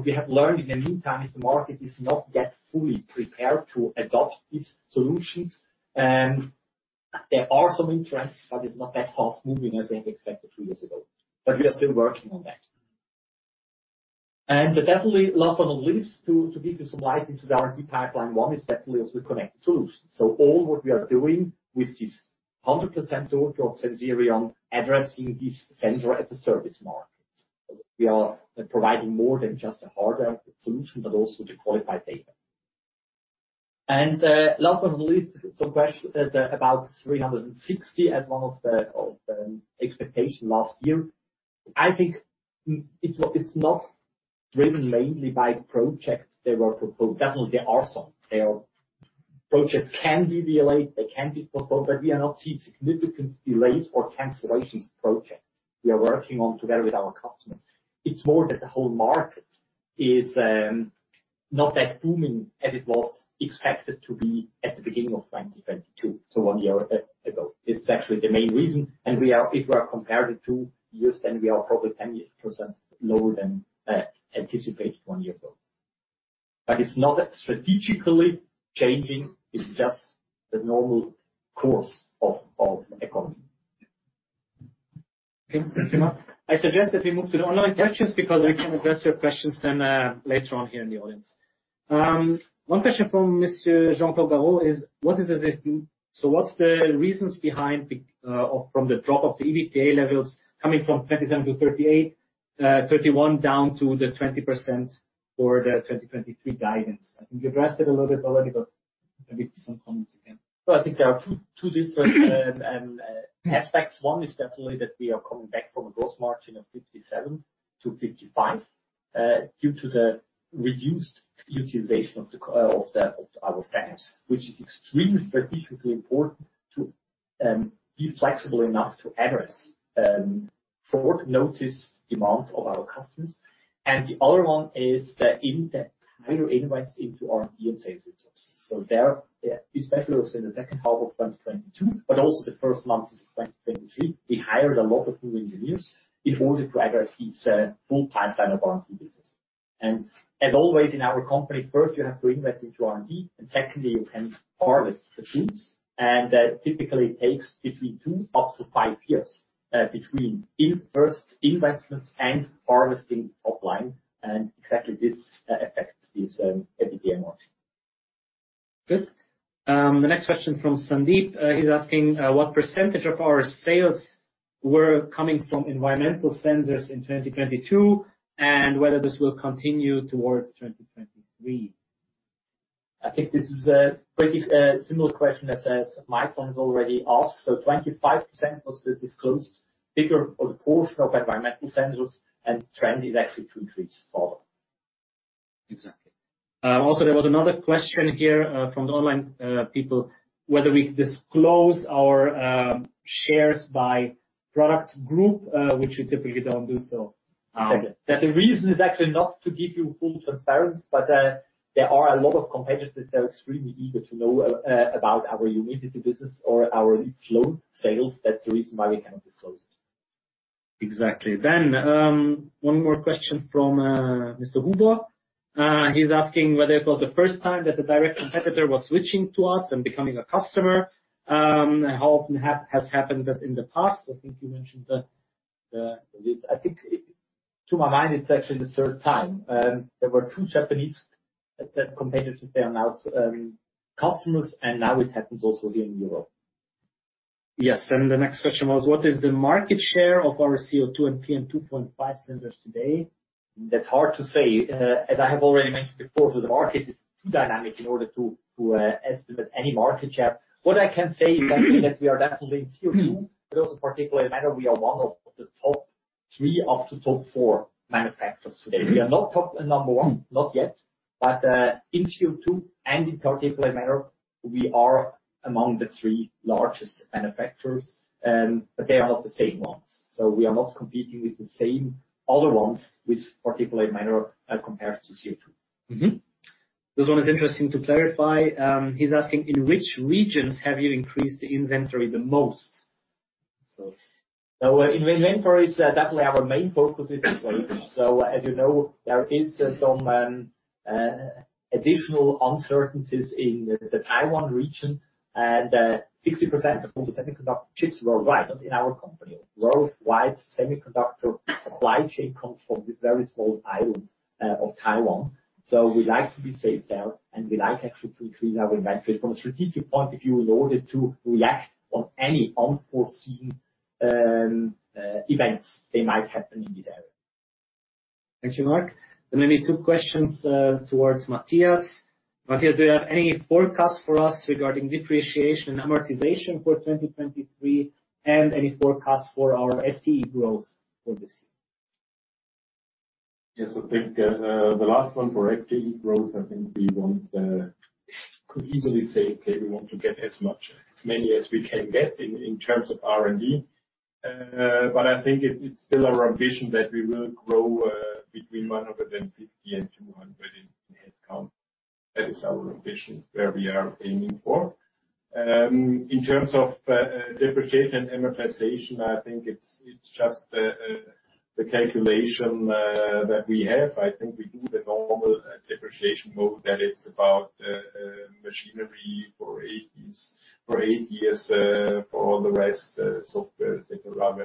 we have learned in the meantime is the market is not yet fully prepared to adopt these solutions. There are some interests, but it's not that fast-moving as they had expected two years ago. We are still working on that. Definitely last but not least, to give you some light into the R&D pipeline, one is definitely also Connected Solutions. All what we are doing with this 100% owned Sensirion addressing this Sensor as a Service market. We are providing more than just a hardware solution, but also the qualified data. Last but not least, about 360 as one of the expectation last year. I think it's not driven mainly by projects that were proposed. Definitely, there are some. There are projects can be delayed, they can be proposed, but we are not seeing significant delays or cancellations of projects we are working on together with our customers. It's more that the whole market is not that booming as it was expected to be at the beginning of 2022. one year ago. It's actually the main reason, if we are comparing two years, then we are probably 10% lower than anticipated one year ago. It's not strategically changing, it's just the normal course of economy. Thank you. I suggest that we move to the online questions because we can address your questions then, later on here in the audience. One question from Monsieur Jean Paul Garaud is, "What is the so what's the reasons behind or from the drop of the EBITDA levels coming from 37-38, 31 down to the 20% for the 2023 guidance?" I think you addressed it a little bit already, but maybe some comments again. I think there are two different aspects. One is definitely that we are coming back from a gross margin of 57%-55%, due to the reduced utilization of our fabs, which is extremely strategically important to be flexible enough to address forward notice demands of our customers. The other one is the in-depth higher investment into R&D and sales resources. There especially was in the second half of 2022, but also the first months of 2023, we hired a lot of new engineers in order to address this full pipeline of R&D business. As always, in our company, first you have to invest into R&D, and secondly, you can harvest the fruits. That typically takes between two up to five years, between first investments and harvesting top line, and exactly this affects this EBITDA margin. Good. The next question from Sandeep, he's asking, what percentage of our sales were coming from environmental sensors in 2022 and whether this will continue towards 2023? I think this is a pretty similar question that Michael has already asked. 25% was the disclosed figure or the portion of environmental sensors and trend is actually to increase further. Exactly. There was another question here, from the online people, whether we disclose our shares by product group, which we typically don't do so. The reason is actually not to give you full transparency, but there are a lot of competitors that are extremely eager to know about our humidity business or our flow sales. That's the reason why we cannot disclose it. Exactly. One more question from Mr. Huber. He's asking whether it was the first time that a direct competitor was switching to us and becoming a customer. How often has happened that in the past? I think you mentioned that this, I think to my mind, it's actually the third time. There were two Japanese competitors that they are now customers, and now it happens also here in Europe. Yes. The next question was: What is the market share of our CO2 and PM2.5 sensors today? That's hard to say. As I have already mentioned before, the market is too dynamic in order to estimate any market share. What I can say is actually that we are definitely in CO2, but also particulate matter, we are one of the top three, up to top four manufacturers today. We are not top and number one, not yet, in CO2 and in particulate matter, we are among the three largest manufacturers. They are not the same ones. We are not competing with the same other ones with particulate matter as compared to CO2. This one is interesting to clarify. He's asking, "In which regions have you increased the inventory the most? Inventory is definitely our main focus this way. As you know, there is some additional uncertainties in the Taiwan region and 60% of all the semiconductor chips worldwide, not in our company, worldwide semiconductor supply chain comes from this very small island of Taiwan. We like to be safe there, and we like actually to increase our inventory from a strategic point of view in order to react on any unforeseen events they might have in this area. Thank you, Marc. There may be two questions towards Matthias. Matthias, do you have any forecasts for us regarding depreciation and amortization for 2023, and any forecasts for our FTE growth for this year? Yes. I think, the last one for FTE growth, I think we want, could easily say, okay, we want to get as many as we can get in terms of R&D. I think it's still our ambition that we will grow between 150 and 200 in headcount. That is our ambition, where we are aiming for. In terms of depreciation and amortization, I think it's just the calculation that we have. I think we do the normal depreciation mode that it's about machinery for eight years, for all the rest, software, et cetera,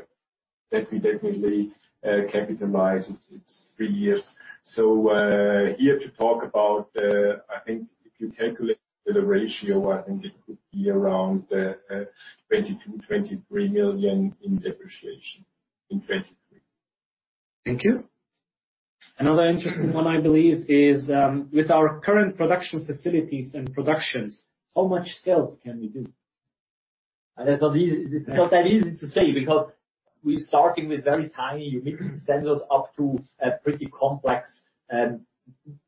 that we definitely capitalize, it's three years. Here to talk about, I think if you calculate the ratio, I think it could be around 22 million-23 million in depreciation in 2023. Thank you. Another interesting one, I believe, is, with our current production facilities and productions, how much sales can we do? That's not easy. It's not that easy to say because we're starting with very tiny humidity sensors up to a pretty complex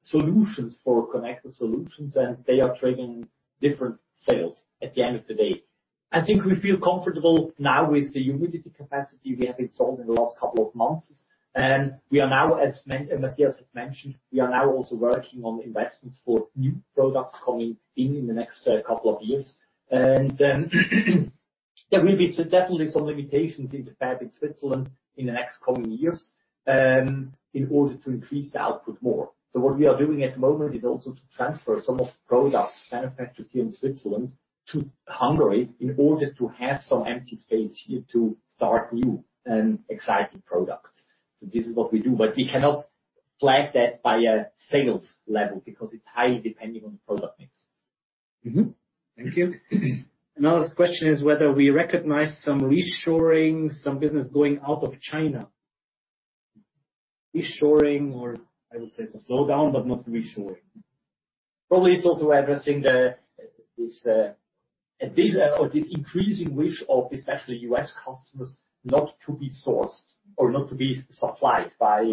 solutions for Sensirion Connected Solutions, and they are driving different sales at the end of the day. I think we feel comfortable now with the humidity capacity we have installed in the last couple of months. We are now, as Matthias has mentioned, we are now also working on investments for new products coming in in the next couple of years. There will be definitely some limitations in the fab in Switzerland in the next coming years in order to increase the output more. What we are doing at the moment is also to transfer some of products manufactured here in Switzerland to Hungary in order to have some empty space here to start new and exciting products. This is what we do. We cannot flag that by a sales level because it's highly depending on the product mix. Mm-hmm. Thank you. Another question is whether we recognize some reshoring, some business going out of China. Reshoring or I would say it's a slowdown, but not reshoring. Probably it's also addressing the, this, or this increasing wish of especially U.S. customers not to be sourced or not to be supplied by,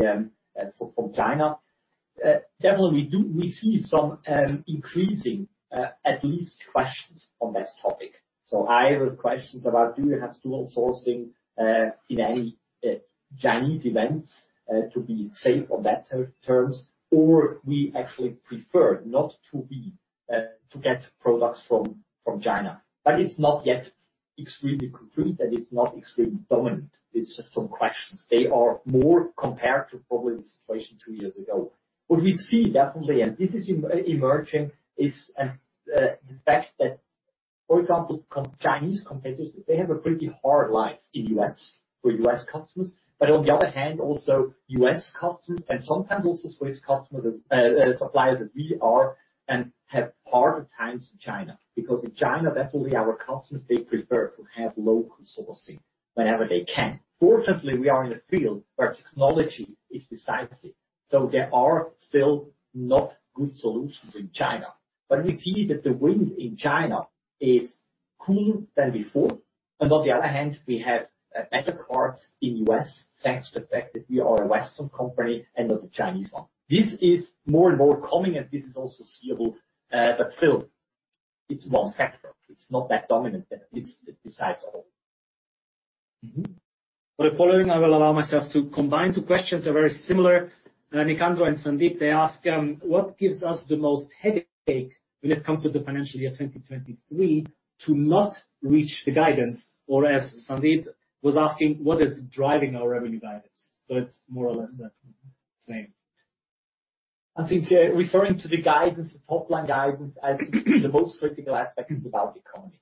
from China. Definitely, we see some increasing at least questions on that topic. Either questions about do you have dual sourcing in any Chinese events to be safe on that terms, or we actually prefer not to be to get products from China. It's not yet extremely concrete, and it's not extremely dominant. It's just some questions. They are more compared to probably the situation two years ago. What we see, definitely, and this is emerging, is the fact that, for example, Chinese competitors, they have a pretty hard life in U.S. for U.S. customers. On the other hand, also U.S. customers and sometimes also Swiss customers, suppliers as we are and have harder times in China. In China, definitely our customers, they prefer to have local sourcing whenever they can. Fortunately, we are in a field where technology is decisive. There are still not good solutions in China. We see that the wind in China is cooler than before. On the other hand, we have better cards in U.S., thanks to the fact that we are a Western company and not a Chinese one. This is more and more coming, and this is also seeable. Still, it's one factor. It's not that dominant that this decides all. For the following, I will allow myself to combine two questions. They're very similar. Nicandro and Sandeep, they ask, what gives us the most headache when it comes to the financial year 2023 to not reach the guidance, or as Sandeep was asking, what is driving our revenue guidance? It's more or less the same. I think, referring to the guidance, top-line guidance, I think the most critical aspect is about the economy.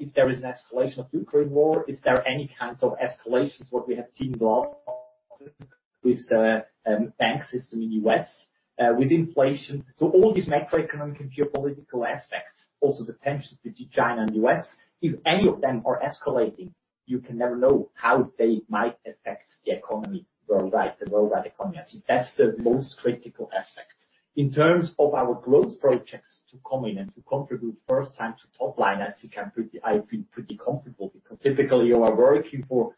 If there is an escalation of Ukraine War, is there any kinds of escalations, what we have seen in the last-With the bank system in U.S., with inflation. All these macroeconomic and geopolitical aspects, also the tension between China and U.S., if any of them are escalating, you can never know how they might affect the economy worldwide, the worldwide economy. I think that's the most critical aspect. In terms of our growth projects to come in and to contribute first time to top line, I feel pretty comfortable because typically you are working for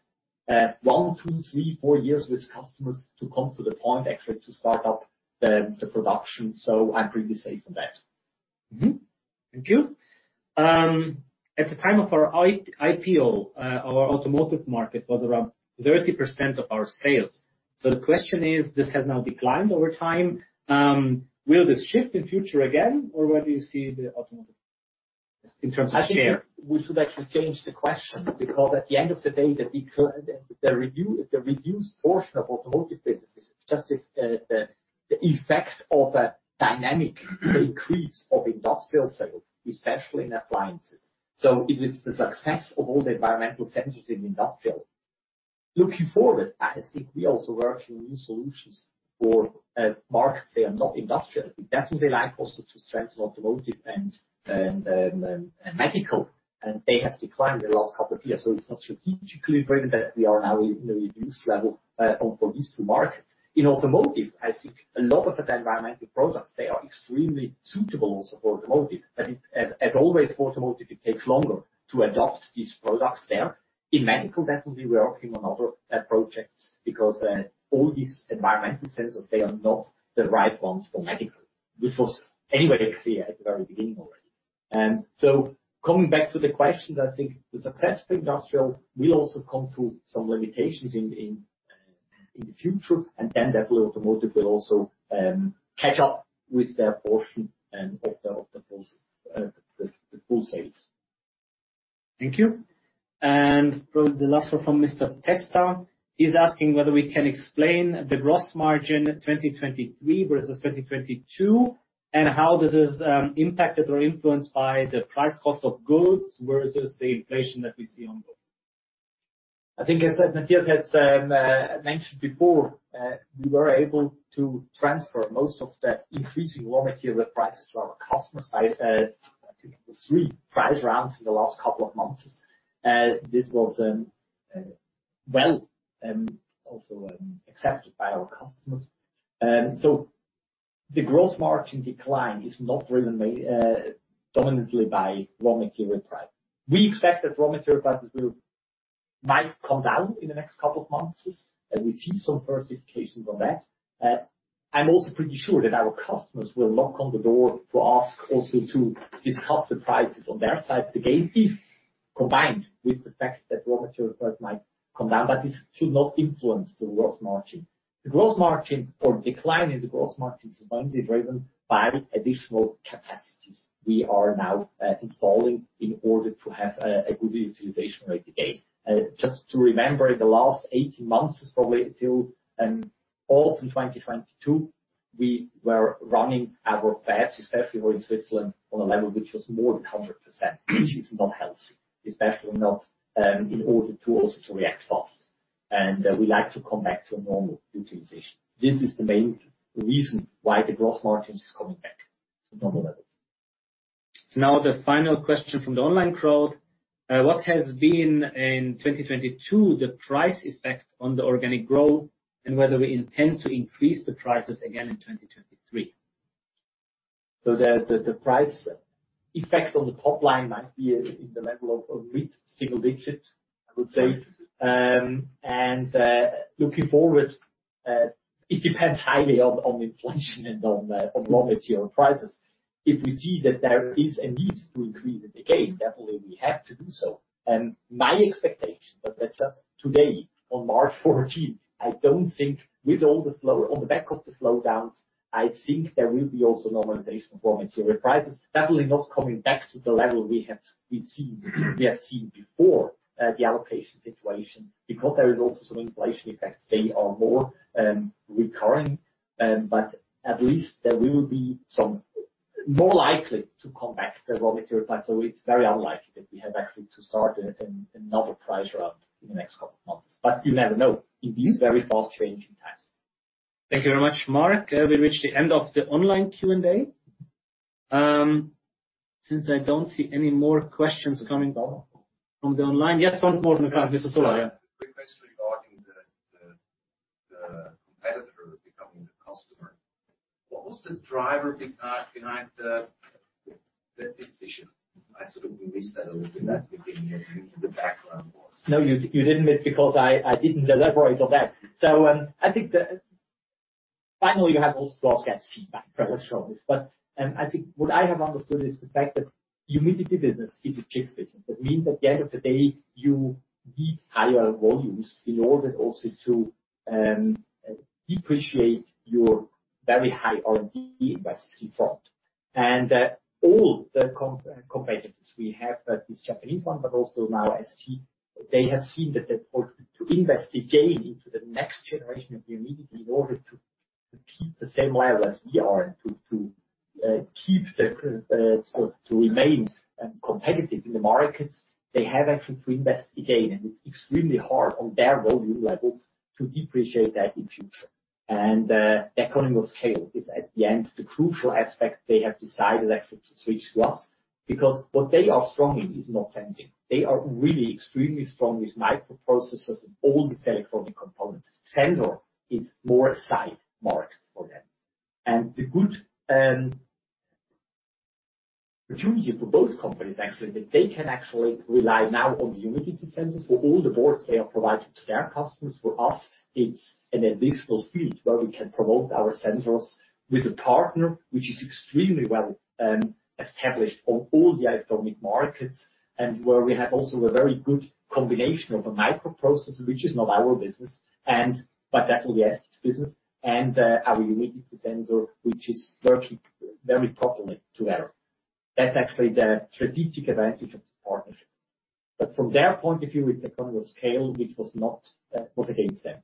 1, 2, 3, 4 years with customers to come to the point actually to start up the production. I'm pretty safe on that. Thank you. At the time of our I-IPO, our automotive market was around 30% of our sales. The question is, this has now declined over time, will this shift in future again or whether you see the automotive in terms of share? I think we should actually change the question because at the end of the day, the reduced portion of automotive business is just the effect of a dynamic increase of industrial sales, especially in appliances. It was the success of all the environmental sensors in industrial. Looking forward, I think we also working new solutions for markets that are not industrial. Definitely allow us to strengthen automotive and medical. They have declined in the last couple of years. It's not strategically driven that we are now in a reduced level for these two markets. In automotive, I think a lot of the environmental products, they are extremely suitable also for automotive. As always, automotive, it takes longer to adopt these products there. In medical, definitely we are working on other projects because all these environmental sensors, they are not the right ones for medical, which was anyway clear at the very beginning already. Coming back to the question, I think the success for industrial will also come to some limitations in the future, and then definitely automotive will also catch up with their portion and of the process, the full sales. Thank you. Probably the last one from Mr. Testa. He's asking whether we can explain the gross margin 2023 versus 2022, and how this is impacted or influenced by the price cost of goods versus the inflation that we see ongoing. I think as Matthias has mentioned before, we were able to transfer most of the increasing raw material prices to our customers by I think it was three price rounds in the last couple of months. This was well also accepted by our customers. The gross margin decline is not driven dominantly by raw material price. We expect that raw material prices might come down in the next couple of months, and we see some first indications on that. I'm also pretty sure that our customers will knock on the door to ask also to discuss the prices on their side again, if combined with the fact that raw material price might come down, but it should not influence the gross margin. The gross margin or decline in the gross margin is only driven by additional capacities we are now installing in order to have a good utilization rate again. Just to remember, the last 18 months probably till autumn 2022, we were running our plants, especially here in Switzerland, on a level which was more than 100%, which is not healthy, especially not in order to also to react fast. We like to come back to a normal utilization. This is the main reason why the gross margin is coming back to normal levels. The final question from the online crowd. What has been in 2022 the price effect on the organic growth, and whether we intend to increase the prices again in 2023? The price effect on the top line might be in the level of mid-single digits, I would say. Looking forward, it depends highly on inflation and on raw material prices. If we see that there is a need to increase it again, definitely we have to do so. My expectation, that's just today on March 14th, I don't think On the back of the slowdowns, I think there will be also normalization of raw material prices, definitely not coming back to the level we've seen, we have seen before, the allocation situation because there is also some inflation effects. They are more recurring, but at least there will be some more likely to come back the raw material price. It's very unlikely that we have actually to start another price round in the next couple of months. You never know in these very fast-changing times. Thank you very much, Marc. We reached the end of the online Q&A. Since I don't see any more questions coming up from the online... Yes, one more from the crowd, Mr. Sola. Quick question regarding the competitor becoming the customer. What was the driver behind the decision? I sort of missed that a little bit at the beginning, the background was. No, you didn't miss because I didn't elaborate on that. I think finally, you have also got C back very strongly. I think what I have understood is the fact that humidity business is a chip business. That means at the end of the day, you need higher volumes in order also to depreciate your very high R&D by C front. All the competitors we have, this Japanese one, but also now ST, they have seen that in order to invest again into the next generation of humidity in order to keep the same level as we are to keep the to remain competitive in the markets. They have actually to invest again, and it's extremely hard on their volume levels to depreciate that in future. The economy of scale is at the end, the crucial aspect. They have decided actually to switch to us, because what they are strong in is not sensing. They are really extremely strong with microprocessors and all the telephonic components. Sensor is more a side market for them. The good opportunity for both companies actually, that they can actually rely now on the humidity sensors for all the boards they are providing to their customers. For us, it's an additional field where we can promote our sensors with a partner which is extremely well established on all the electronic markets, and where we have also a very good combination of a microprocessor, which is not our business, and but that will be S-Max business, and our humidity sensor, which is working very properly together. That's actually the strategic advantage of this partnership. From their point of view, it's economy of scale, which was not, was against them.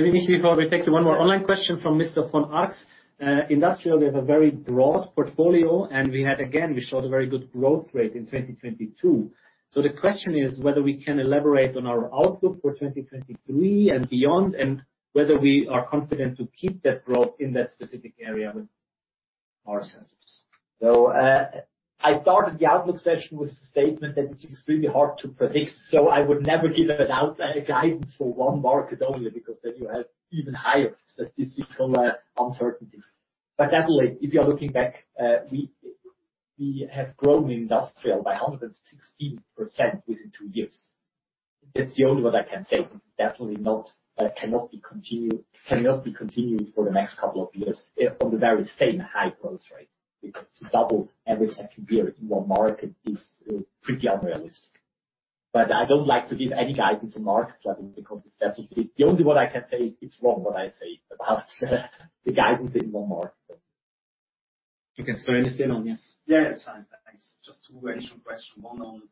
Let me see if I will take you one more online question from Mr. von Arx. Industrial, we have a very broad portfolio, and we had again, we showed a very good growth rate in 2022. The question is whether we can elaborate on our outlook for 2023 and beyond, and whether we are confident to keep that growth in that specific area with our sensors. I started the outlook session with a statement that it's extremely hard to predict, I would never give an out, a guidance for one market only because then you have even higher statistical uncertainties. Definitely, if you are looking back, we have grown industrial by 116% within two years. That's the only what I can say. Definitely not, cannot be continued for the next couple of years on the very same high growth rate. To double every second year in one market is pretty unrealistic. I don't like to give any guidance on market level because it's definitely... The only what I can say, it's wrong what I say about the guidance in one market. Okay, I understand on this. Yeah, it's fine. Thanks. Just two initial question. One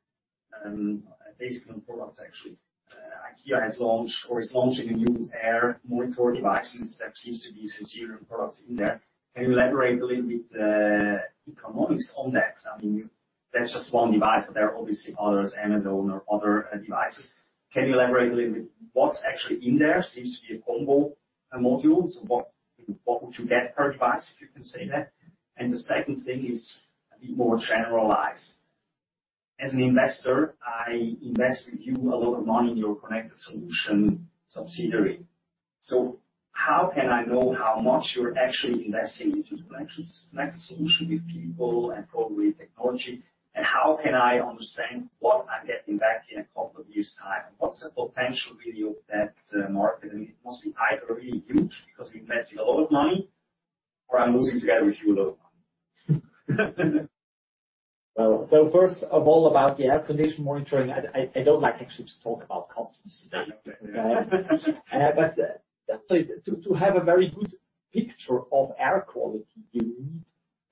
on, basically on products actually. IKEA has launched or is launching a new air monitor devices that seems to be Sensirion products in there. Can you elaborate a little bit the economics on that? I mean, that's just one device, but there are obviously others, Amazon or other devices. Can you elaborate a little bit what's actually in there? Seems to be a combo modules. What, what would you get per device, if you can say that? The second thing is a bit more generalized. As an investor, I invest with you a lot of money in your Sensirion Connected Solutions subsidiary. How can I know how much you're actually investing into the Sensirion Connected Solutions with people and probably technology, and how can I understand what I'm getting back in a couple of years time? What's the potential really of that market? It must be either really huge because you're investing a lot of money or I'm losing together with you a lot of money. First of all, about the air condition monitoring, I don't like actually to talk about customers today. definitely to have a very good picture of air quality, you need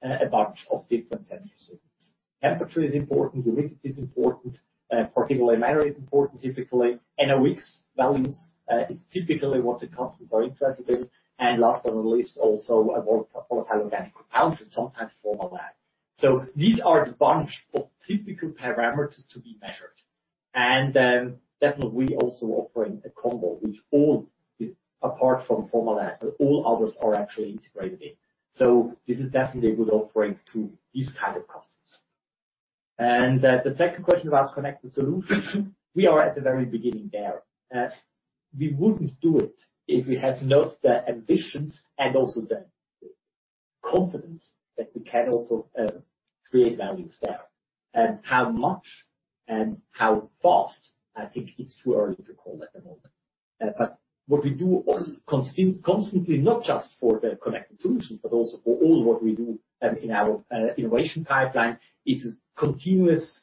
a bunch of different sensors. Temperature is important, humidity is important, particulate matter is important typically, NOX values is typically what the customers are interested in. last but not least, also a Volatile Organic Compounds and sometimes formaldehyde. these are the bunch of typical parameters to be measured. definitely we also offering a combo which all, apart from formaldehyde, all others are actually integrated in. this is definitely a good offering to these kind of customers. the second question about Connected Solutions, we are at the very beginning there. We wouldn't do it if we had not the ambitions and also the confidence that we can also create values there. How much and how fast? I think it's too early to call at the moment. What we do all constantly, not just for the Sensirion Connected Solutions, but also for all what we do in our innovation pipeline, is continuous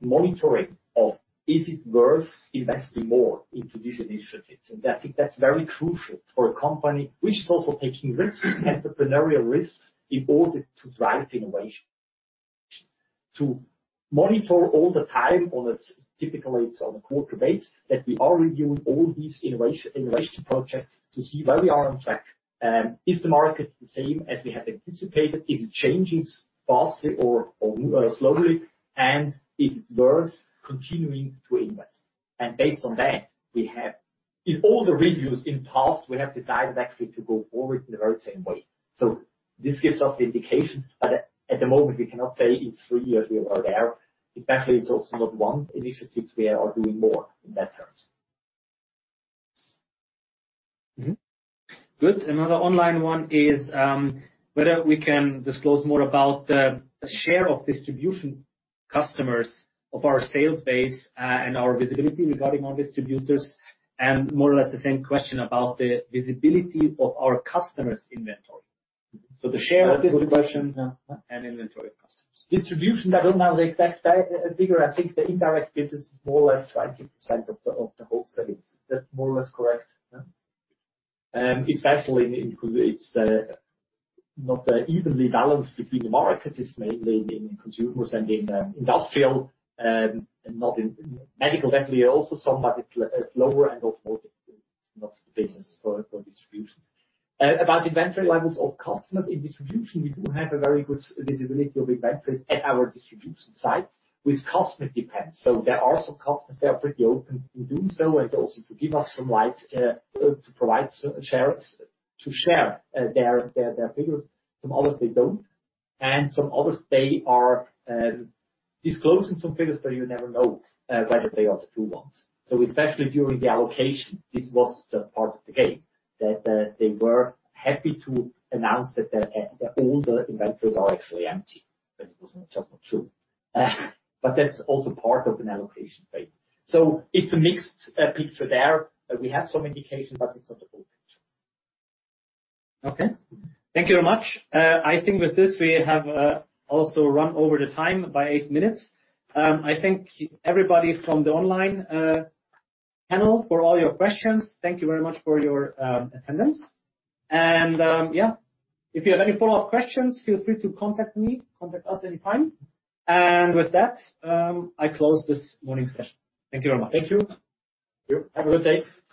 monitoring of, is it worth investing more into these initiatives? I think that's very crucial for a company which is also taking risks, entrepreneurial risks, in order to drive innovation. To monitor all the time on a, typically it's on a quarter base, that we are reviewing all these innovation projects to see where we are on track. Is the market the same as we had anticipated? Is it changing faster or slowly? Is it worth continuing to invest? Based on that, we have. In all the reviews in past, we have decided actually to go forward in the very same way. This gives us the indications, but at the moment we cannot say it's three years we are there. Especially, it's also not one initiatives, we are doing more in that terms. Good. Another online one is, whether we can disclose more about the share of distribution customers of our sales base, and our visibility regarding our distributors and more or less the same question about the visibility of our customers inventory. Good question. Inventory customers. Distribution, I don't know the exact figure. I think the indirect business is more or less 20% of the whole sales. That more or less correct, yeah? Especially in cons. It's not evenly balanced between the markets. It's mainly in consumers and in industrial. Medical definitely also some, but it's lower and automotive is not the business for distributions. About inventory levels of customers in distribution, we do have a very good visibility of inventories at our distribution sites, which cosmic depends. There are some customers that are pretty open in doing so, and also to give us some light to provide, share, to share their figures. Some others they don't. Some others they are disclosing some figures, but you never know whether they are the true ones. Especially during the allocation, this was just part of the game, that they were happy to announce that all the inventories are actually empty, but it was not just not true. That's also part of an allocation phase. It's a mixed picture there. We have some indication, but it's not the full picture. Okay. Thank you very much. I think with this we have, also run over the time by eight minutes. I thank everybody from the online panel for all your questions. Thank you very much for your attendance. Yeah, if you have any follow-up questions, feel free to contact me, contact us anytime. With that, I close this morning session. Thank you very much. Thank you. Have a good day.